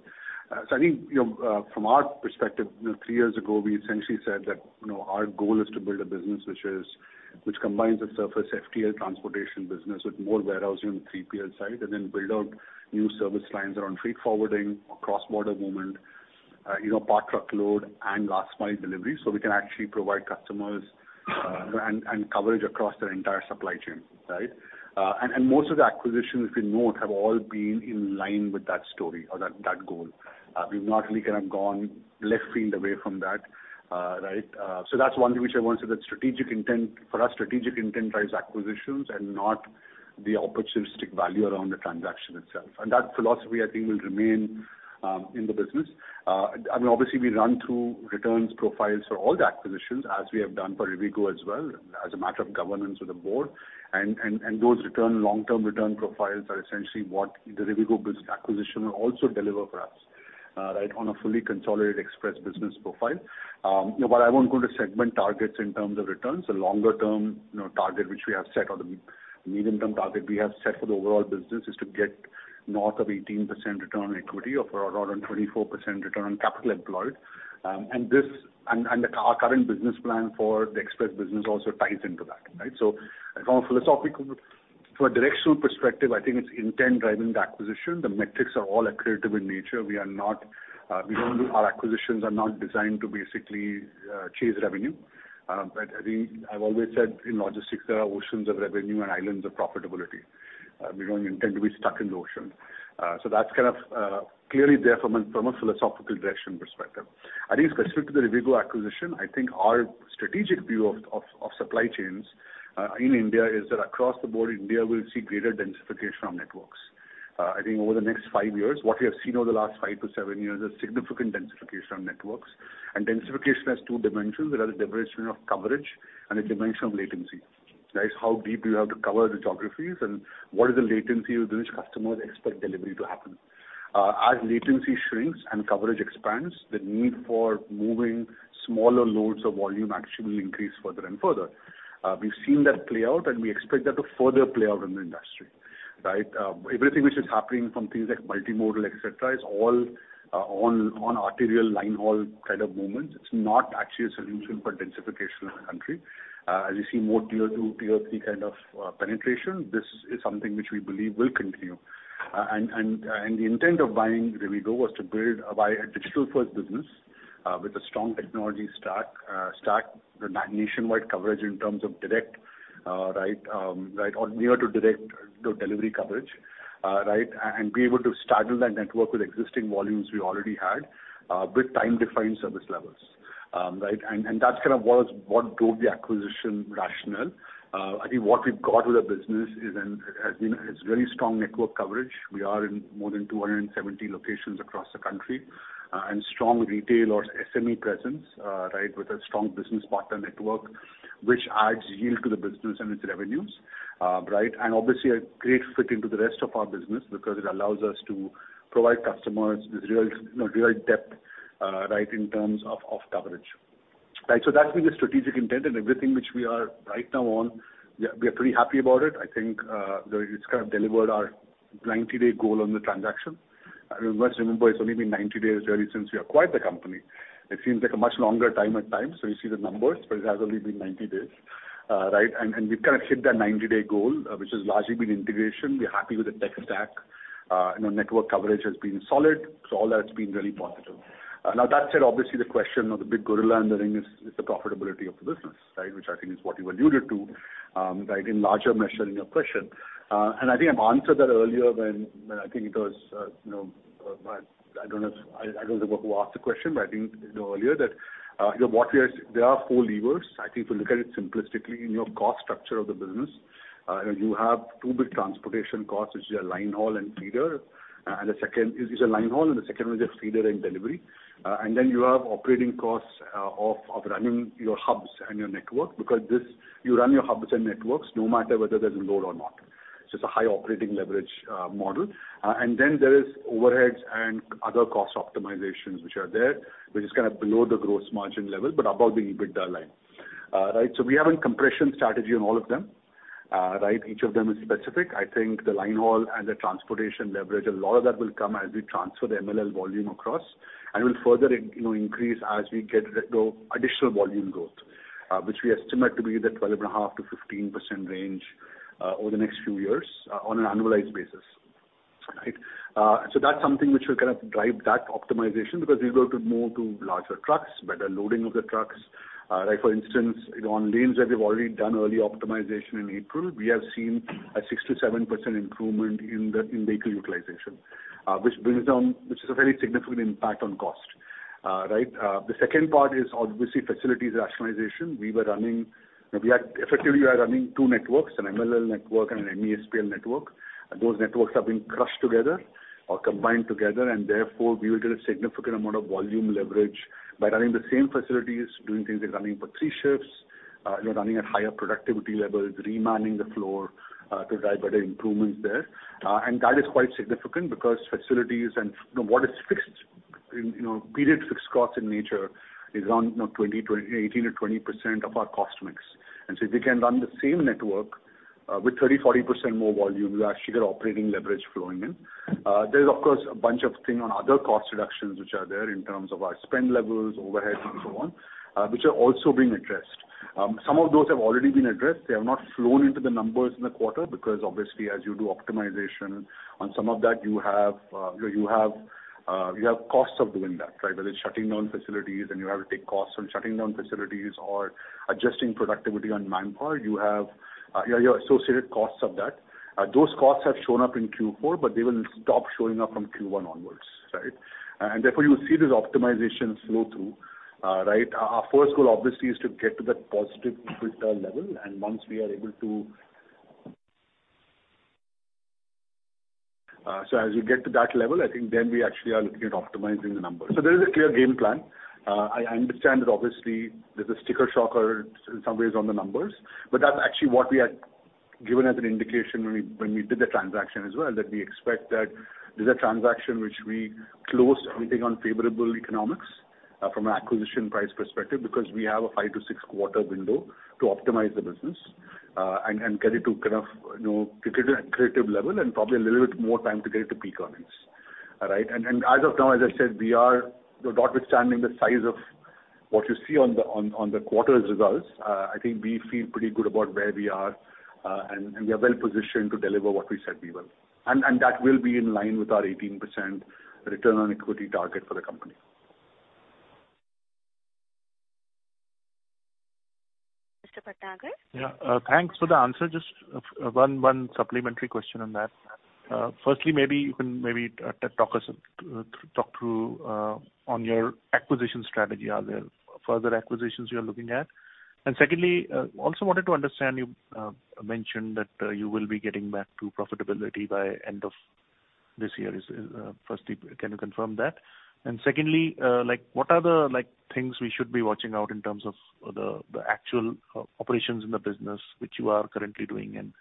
I think, you know, from our perspective, you know, three years ago, we essentially said that, you know, our goal is to build a business which combines the surface FTL transportation business with more warehousing 3PL site, and then build out new service lines around freight forwarding or cross-border movement, you know, part truckload and last mile delivery, so we can actually provide customers, and coverage across their entire supply chain, right? And most of the acquisitions, if you note, have all been in line with that story or that goal. We've not really kind of gone left field away from that, right? That's one thing which I want to say that strategic intent for us, strategic intent drives acquisitions and not the opportunistic value around the transaction itself. That philosophy, I think, will remain in the business. I mean, obviously, we run through returns profiles for all the acquisitions as we have done for Rivigo as well, as a matter of governance with the board. Those return, long-term return profiles are essentially what the Rivigo acquisition will also deliver for us, right, on a fully consolidated express business profile. You know, I won't go into segment targets in terms of returns. The longer-term, you know, target which we have set or the medium-term target we have set for the overall business is to get north of 18% return on equity or around 24% return on capital employed. Our current business plan for the express business also ties into that, right? From a philosophical from a directional perspective, I think it's intent driving the acquisition. The metrics are all accretive in nature. We are not, we don't do Our acquisitions are not designed to basically chase revenue. I think I've always said in logistics, there are oceans of revenue and islands of profitability. We don't intend to be stuck in the ocean. That's kind of clearly there from a philosophical direction perspective. I think specific to the Rivigo acquisition, I think our strategic view of supply chains, in India is that across the board, India will see greater densification of networks. I think over the next five years, what we have seen over the last five to seven years is significant densification of networks. Densification has two dimensions. There are the dimension of coverage and the dimension of latency, right? How deep do you have to cover the geographies and what is the latency with which customers expect delivery to happen? As latency shrinks and coverage expands, the need for moving smaller loads of volume actually will increase further and further. We've seen that play out, and we expect that to further play out in the industry, right? Everything which is happening from things like multimodal, et cetera, is all on arterial line haul kind of movements. It's not actually a solution for densification in the country. As you see more tier 2, tier 3 kind of penetration, this is something which we believe will continue. The intent of buying Rivigo was to build a via digital first business with a strong technology stack the nationwide coverage in terms of direct, right, or near to direct the delivery coverage. And be able to stagger that network with existing volumes we already had with time-defined service levels. That's kind of what drove the acquisition rationale. I think what we've got with the business is very strong network coverage. We are in more than 270 locations across the country, and strong retail or SME presence, right? With a strong business partner network which adds yield to the business and its revenues, right? Obviously a great fit into the rest of our business because it allows us to provide customers with real, you know, real depth, right, in terms of coverage. Right. That's been the strategic intent and everything which we are right now on, we are pretty happy about it. I think, it's kind of delivered our 90-day goal on the transaction. You must remember it's only been 90 days really since we acquired the company. It seems like a much longer time at times. You see the numbers, but it has only been 90 days, right? We've kind of hit that 90-day goal, which has largely been integration. We're happy with the tech stack, and our network coverage has been solid. All that's been really positive. Now that said, obviously the question of the big gorilla in the ring is the profitability of the business, right? Which I think is what you alluded to, right, in larger measure in your question. I think I've answered that earlier when I think it was, you know, I don't know who asked the question, but I think you know earlier that, you know, what we are, there are four levers. I think if you look at it simplistically in your cost structure of the business, you know, you have two big transportation costs, which is your line haul and feeder. The second is your line haul, and the second one is your feeder and delivery. Then you have operating costs of running your hubs and your network because this, you run your hubs and networks no matter whether there's load or not. So it's a high operating leverage model. Then there is overheads and other cost optimizations which are there, which is kind of below the gross margin level, but above the EBITDA line. Right. We have a compression strategy on all of them. Right. Each of them is specific. I think the line haul and the transportation leverage, a lot of that will come as we transfer the MLL volume across and will further you know, increase as we get the additional volume growth, which we estimate to be the 12.5%-15% range over the next few years on an annualized basis, right? That's something which will kind of drive that optimization because we go to more to larger trucks, better loading of the trucks. Like for instance, you know, on lanes where we've already done early optimization in April, we have seen a 6%-7% improvement in the, in vehicle utilization, which brings down which is a very significant impact on cost. Right. The second part is obviously facilities rationalization. Effectively, we are running two networks, an MLL network and an MESPL network. Those networks have been crushed together or combined together and therefore we will get a significant amount of volume leverage by running the same facilities, doing things like running for three shifts, you know, running at higher productivity levels, remanning the floor to drive better improvements there. That is quite significant because facilities and, you know, what is fixed in period fixed costs in nature is around, you know, 18% to 20% of our cost mix. If we can run the same network, with 30%, 40% more volume, we actually get operating leverage flowing in. There's of course a bunch of thing on other cost reductions which are there in terms of our spend levels, overheads and so on, which are also being addressed. Some of those have already been addressed. They have not flown into the numbers in the quarter because obviously as you do optimization on some of that, you have, you know, you have costs of doing that, right? Whether it's shutting down facilities and you have to take costs on shutting down facilities or adjusting productivity on manpower, you have your associated costs of that. Those costs have shown up in Q4, but they will stop showing up from Q1 onwards, right? Therefore you'll see this optimization flow through, right? Our first goal obviously is to get to that positive EBITDA level. As you get to that level, I think then we actually are looking at optimizing the numbers. There is a clear game plan. I understand that obviously there's a sticker shocker in some ways on the numbers, that's actually what we had given as an indication when we did the transaction as well, that we expect that this is a transaction which we closed, I think, on favorable economics from an acquisition price perspective because we have a five to six quarter window to optimize the business and get it to kind of, you know, get it at creative level and probably a little bit more time to get it to peak earnings. All right? As of now, as I said, we are, you know, notwithstanding the size of what you see on the quarter's results, I think we feel pretty good about where we are, and we are well positioned to deliver what we said we will. That will be in line with our 18% return on equity target for the company. Mr. Bhatnagar? Yeah. Thanks for the answer. Just one supplementary question on that. Firstly, maybe you can maybe talk us through, talk through on your acquisition strategy. Are there further acquisitions you're looking at? Secondly, also wanted to understand, you mentioned that you will be getting back to profitability by end of this year is, firstly, can you confirm that? Secondly, like what are the, like, things we should be watching out in terms of the actual operations in the business which you are currently doing and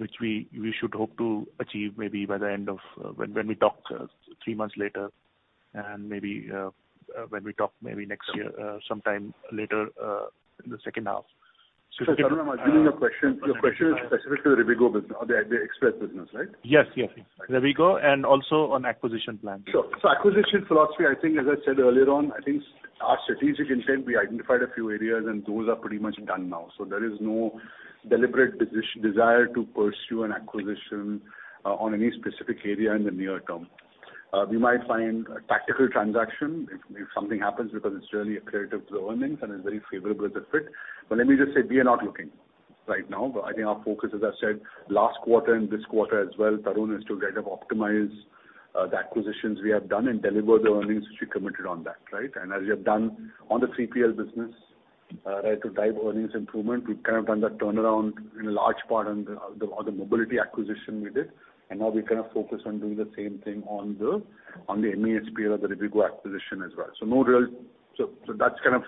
which we should hope to achieve maybe by the end of when we talk three months later and maybe when we talk maybe next year sometime later in the second half. Tarun, I'm assuming your question is specific to the Rivigo business or the Express business, right? Yes, yes. Rivigo and also on acquisition plan. Acquisition philosophy, as I said earlier on, our strategic intent, we identified a few areas and those are pretty much done now. There is no deliberate desire to pursue an acquisition on any specific area in the near term. We might find a tactical transaction if something happens because it's really accretive to earnings and is very favorable as a fit. Let me just say we are not looking right now. I think our focus, as I said last quarter and this quarter as well, Tarun, is to kind of optimize the acquisitions we have done and deliver the earnings which we committed on that, right? As we have done on the 3PL business, right to drive earnings improvement, we've kind of done that turnaround in large part on the Mobility acquisition we did. Now we're gonna focus on doing the same thing on the MHEL, the Rivigo acquisition as well. No real... That's kind of,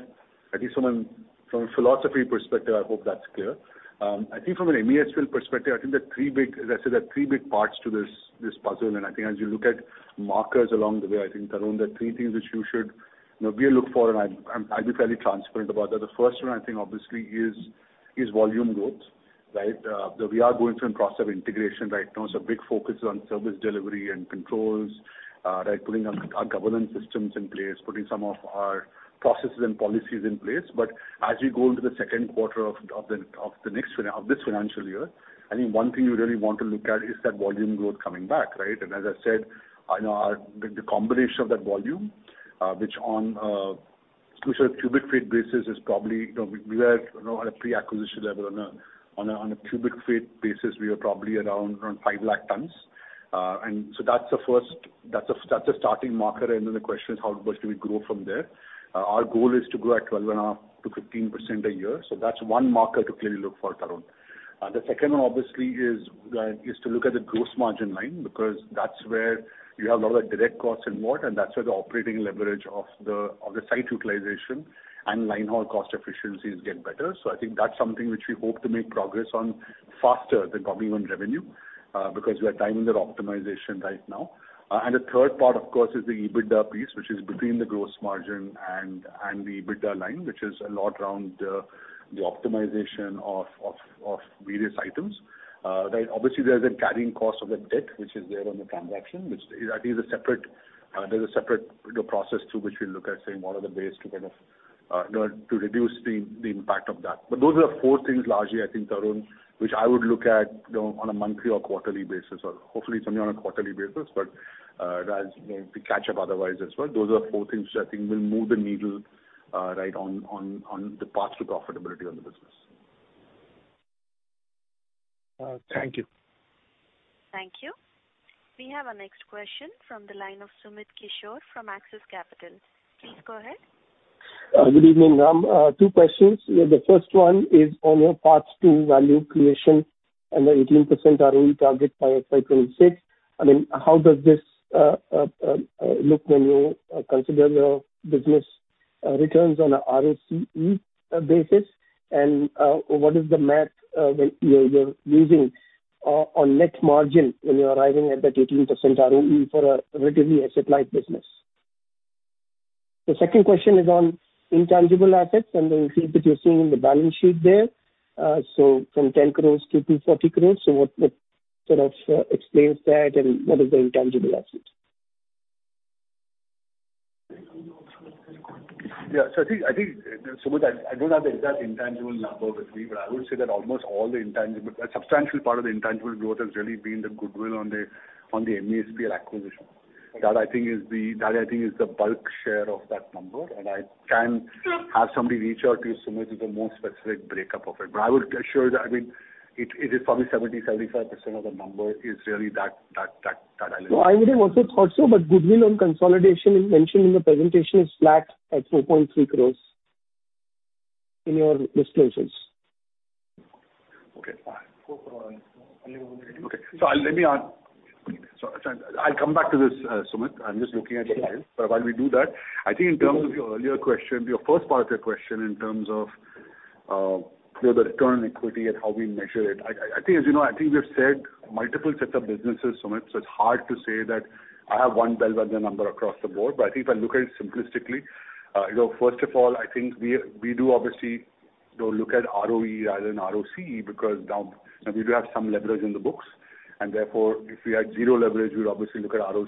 I think from a philosophy perspective, I hope that's clear. I think from an MHEL perspective, I think the three big, as I said, there are three big parts to this puzzle. I think as you look at markers along the way, I think, Tarun, there are three things which you should, you know, we look for, and I'm, I'll be fairly transparent about that. The first one I think obviously is volume growth, right? We are going through a process of integration right now, so big focus on service delivery and controls, right, putting our governance systems in place, putting some of our processes and policies in place. As we go into the second quarter of the next financial year, I think one thing you really want to look at is that volume growth coming back, right? As I said, you know, our the combination of that volume, which on a cubic feet basis is probably, you know, we were, you know, at a pre-acquisition level on a cubic feet basis, we were probably around 5 lakh tons. That's the first, that's a, that's a starting marker. The question is how much do we grow from there? Our goal is to grow at 12.5%-15% a year. That's one marker to clearly look for, Tarun. The second one obviously is to look at the gross margin line, because that's where you have a lot of the direct costs involved, and that's where the operating leverage of the site utilization and line haul cost efficiencies get better. I think that's something which we hope to make progress on faster than probably on revenue, because we are timing that optimization right now. The third part of course is the EBITDA piece, which is between the gross margin and the EBITDA line, which is a lot around the optimization of various items. Right, obviously there's a carrying cost of the debt which is there on the transaction, which is, I think is a separate, there's a separate, you know, process through which we look at saying what are the ways to kind of, you know, to reduce the impact of that. Those are the four things largely, I think, Tarun, which I would look at, you know, on a monthly or quarterly basis, or hopefully it's only on a quarterly basis. As, you know, to catch up otherwise as well, those are four things which I think will move the needle right on, on the path to profitability on the business. Thank you. Thank you. We have our next question from the line of Sumit Kishore from Axis Capital. Please go ahead. Good evening, Ram. Two questions. The first one is on your path to value creation and the 18% ROE target by FY26. I mean, how does this look when you consider your business returns on a ROCE basis? What is the math when you're using on net margin when you're arriving at that 18% ROE for a relatively asset-light business? The second question is on intangible assets and the increase that you're seeing in the balance sheet there. From 10 crores to 240 crores, what sort of explains that and what is the intangible asset? Yeah. I think, Sumit, I don't have the exact intangible number with me, but I would say that almost all the intangible. A substantial part of the intangible growth has really been the goodwill on the MHEL acquisition. That I think is the bulk share of that number. Sure. have somebody reach out to you, Sumit, with a more specific breakup of it. I would assure you that, I mean, it is probably 70%, 75% of the number is really that... I would have also thought so, but goodwill on consolidation mentioned in the presentation is flat at 3.3 crores in your disclosures. Okay. Okay. I'll come back to this, Sumit. I'm just looking at the numbers. Sure. While we do that, I think in terms of your earlier question, your first part of your question in terms of, you know, the return on equity and how we measure it. I think, as you know, I think we've said multiple sets of businesses, Sumit, so it's hard to say that I have one bellwether number across the board. I think if I look at it simplistically, you know, first of all, I think we do obviously, you know, look at ROE rather than ROCE because now, you know, we do have some leverage in the books. Therefore, if we had zero leverage, we'd obviously look at ROC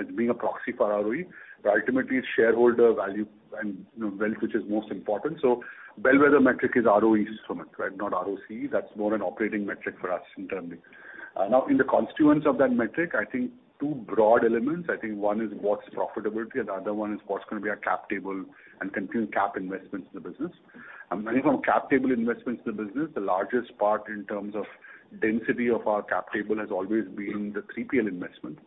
as being a proxy for ROE. Ultimately it's shareholder value and, you know, wealth which is most important. Bellwether metric is ROE, Sumit, right? Not ROCE. That's more an operating metric for us internally. Now in the constituents of that metric, I think two broad elements. I think one is what's profitability and the other one is what's gonna be our cap table and continued cap investments in the business. Many of our cap table investments in the business, the largest part in terms of density of our cap table has always been the 3PL investment.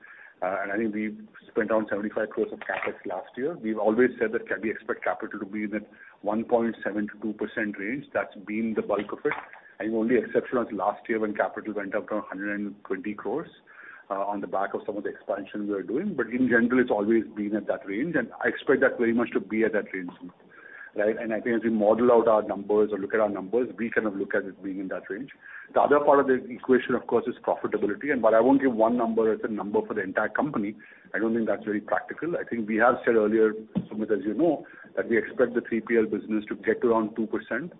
And I think we've spent around 75 crores of CapEx last year. We've always said that can we expect capital to be in that 1.7%-2% range. That's been the bulk of it. I think the only exception was last year when capital went up to 120 crores on the back of some of the expansion we were doing. In general, it's always been at that range, and I expect that very much to be at that range, Sumit, right? I think as we model out our numbers or look at our numbers, we kind of look at it being in that range. The other part of the equation, of course, is profitability. While I won't give one number as a number for the entire company, I don't think that's very practical. I think we have said earlier, Sumit, as you know, that we expect the 3PL business to get to around 2%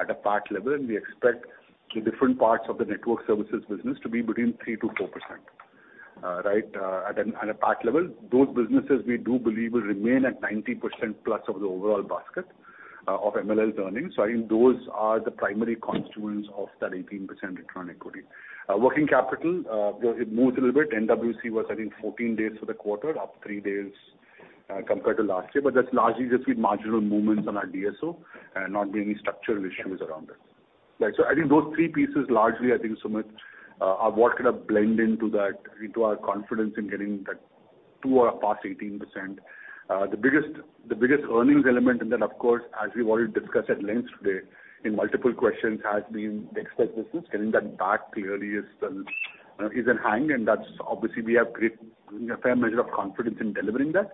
at a PAT level, and we expect the different parts of the network services business to be between 3%-4%, right, at a PAT level. Those businesses, we do believe will remain at 90%+ of the overall basket of MLL earnings. I think those are the primary constituents of that 18% return on equity. Working capital, it moves a little bit. NWC was, I think, 14 days for the quarter, up three days compared to last year. That's largely just been marginal movements on our DSO and not being structural issues around it. Right. I think those three pieces largely, I think, Sumit, are what kind of blend into that, into our confidence in getting that two or past 18%. The biggest earnings element, of course, as we've already discussed at length today in multiple questions, has been the express business. Getting that back clearly is a hang, that's obviously we have a fair measure of confidence in delivering that.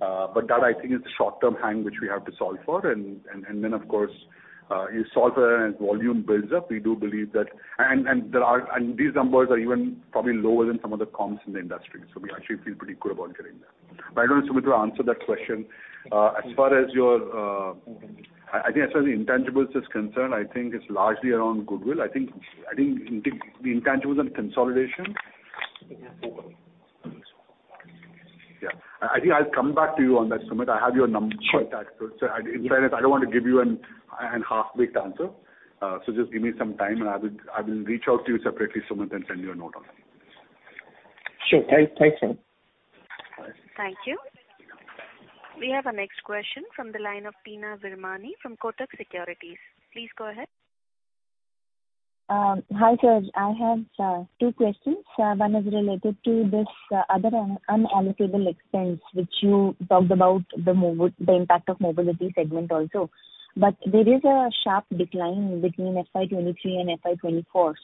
That, I think, is the short-term hang which we have to solve for. Then of course, you solve for it and volume builds up. We do believe that... These numbers are even probably lower than some of the comps in the industry. We actually feel pretty good about getting there. I don't know, Sumit, to answer that question. As far as your, I think as far as the intangibles is concerned, I think it's largely around goodwill. I think the intangibles and consolidation. Yeah. I think I'll come back to you on that, Sumit. I have your num- Sure. In fairness, I don't want to give you an half-baked answer. Just give me some time and I will reach out to you separately, Sumit, and send you a note on that. Sure. Thanks, sir. All right. Thank you. We have our next question from the line of Teena Virmani from Kotak Securities. Please go ahead. Hi, sir. I have two questions. One is related to this other unallocable expense, which you talked about the impact of mobility segment also. There is a sharp decline between FY 2023 and FY 2024.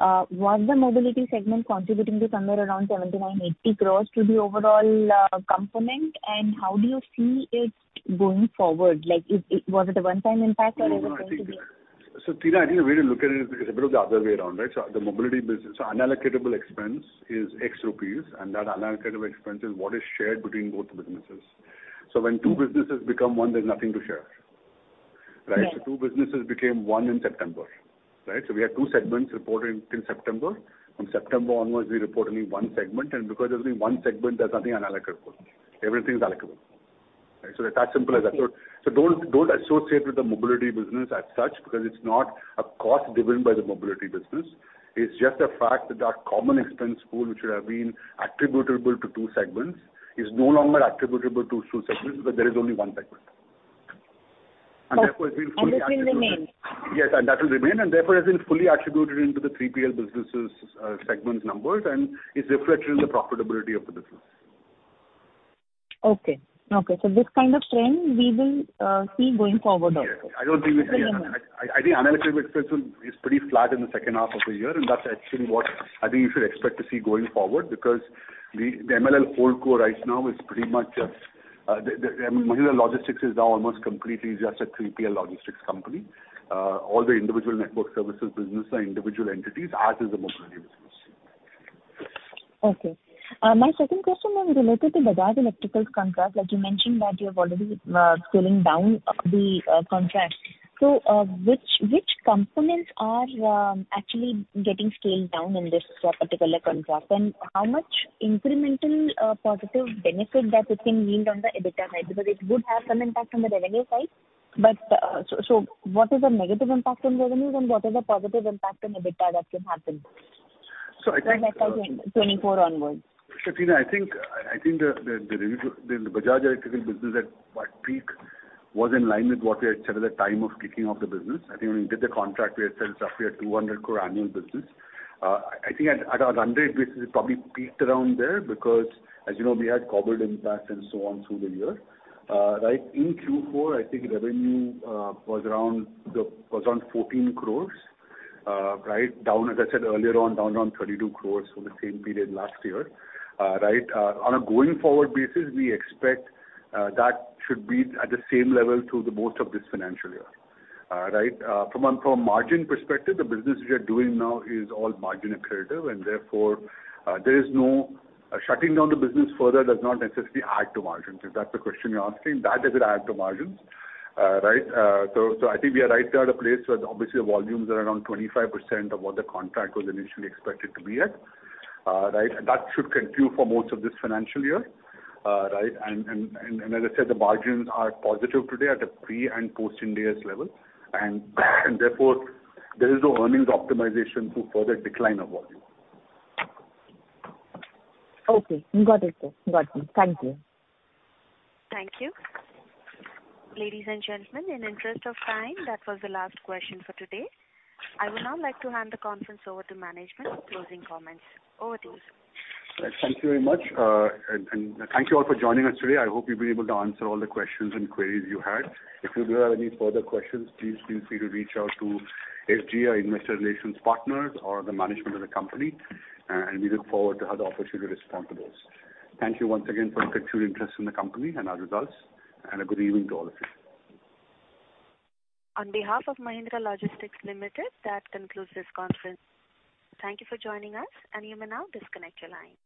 Was the mobility segment contributing to somewhere around 79-80 crores to the overall component? How do you see it going forward? Like, was it a one-time impact or is it going to be- I think... Teena, I think the way to look at it is a bit of the other way around, right? The mobility business, unallocable expense is X rupees, and that unallocable expense is what is shared between both businesses. When two businesses become one, there's nothing to share, right? Right. Two businesses became one in September, right? We had two segments reported in September. From September onwards, we report only one segment. Because there's only one segment, there's nothing unallocable. Everything is allocable. Right. It's as simple as that. Okay. Don't associate with the mobility business as such, because it's not a cost driven by the mobility business. It's just the fact that our common expense pool, which would have been attributable to two segments, is no longer attributable to two segments because there is only one segment. Okay. Therefore has been fully attributed. This will remain? Yes, that will remain, and therefore has been fully attributed into the 3PL businesses, segments numbers, and it's reflected in the profitability of the business. Okay. Okay. This kind of trend we will see going forward also. Yeah. I don't think. Yeah. I think unallocable expense is pretty flat in the second half of the year, that's actually what I think you should expect to see going forward because the MLL holdco right now is pretty much Mahindra Logistics is now almost completely just a 3PL logistics company. All the individual network services business are individual entities, as is the mobility business. Okay. My second question was related to Bajaj Electricals' contract. Like you mentioned that you're already scaling down the contract. Which components are actually getting scaled down in this particular contract? How much incremental positive benefit that it can yield on the EBITDA side? Because it would have some impact on the revenue side, but what is the negative impact on revenues and what is the positive impact on EBITDA that can happen? So I think- From FY 2024 onwards. Tina, I think the revenue the Bajaj Electricals business at peak was in line with what we had said at the time of kicking off the business. I think when we did the contract, we had said it's roughly a 200 crore annual business. I think at a run rate basis, it probably peaked around there because, as you know, we had COVID impact and so on through the year. In Q4, I think revenue was around 14 crore. Down, as I said earlier on, down around 32 crore from the same period last year. On a going forward basis, we expect that should be at the same level through the most of this financial year. From a margin perspective, the business we are doing now is all margin accretive, and therefore, shutting down the business further does not necessarily add to margins. If that's the question you're asking, that doesn't add to margins. Right? So I think we are right there at a place where obviously the volumes are around 25% of what the contract was initially expected to be at. Right? As I said, the margins are positive today at a pre and post-Ind AS level. Therefore, there is no earnings optimization to further decline of volume. Okay. Got it, sir. Got it. Thank you. Thank you. Ladies and gentlemen, in interest of time, that was the last question for today. I would now like to hand the conference over to management for closing comments. Over to you, sir. Thank you very much. Thank you all for joining us today. I hope we've been able to answer all the questions and queries you had. If you do have any further questions, please feel free to reach out to SGA or Investor Relations partners or the management of the company. We look forward to have the opportunity to respond to those. Thank you once again for your continued interest in the company and our results. A good evening to all of you. On behalf of Mahindra Logistics Limited, that concludes this conference. Thank you for joining us, and you may now disconnect your line.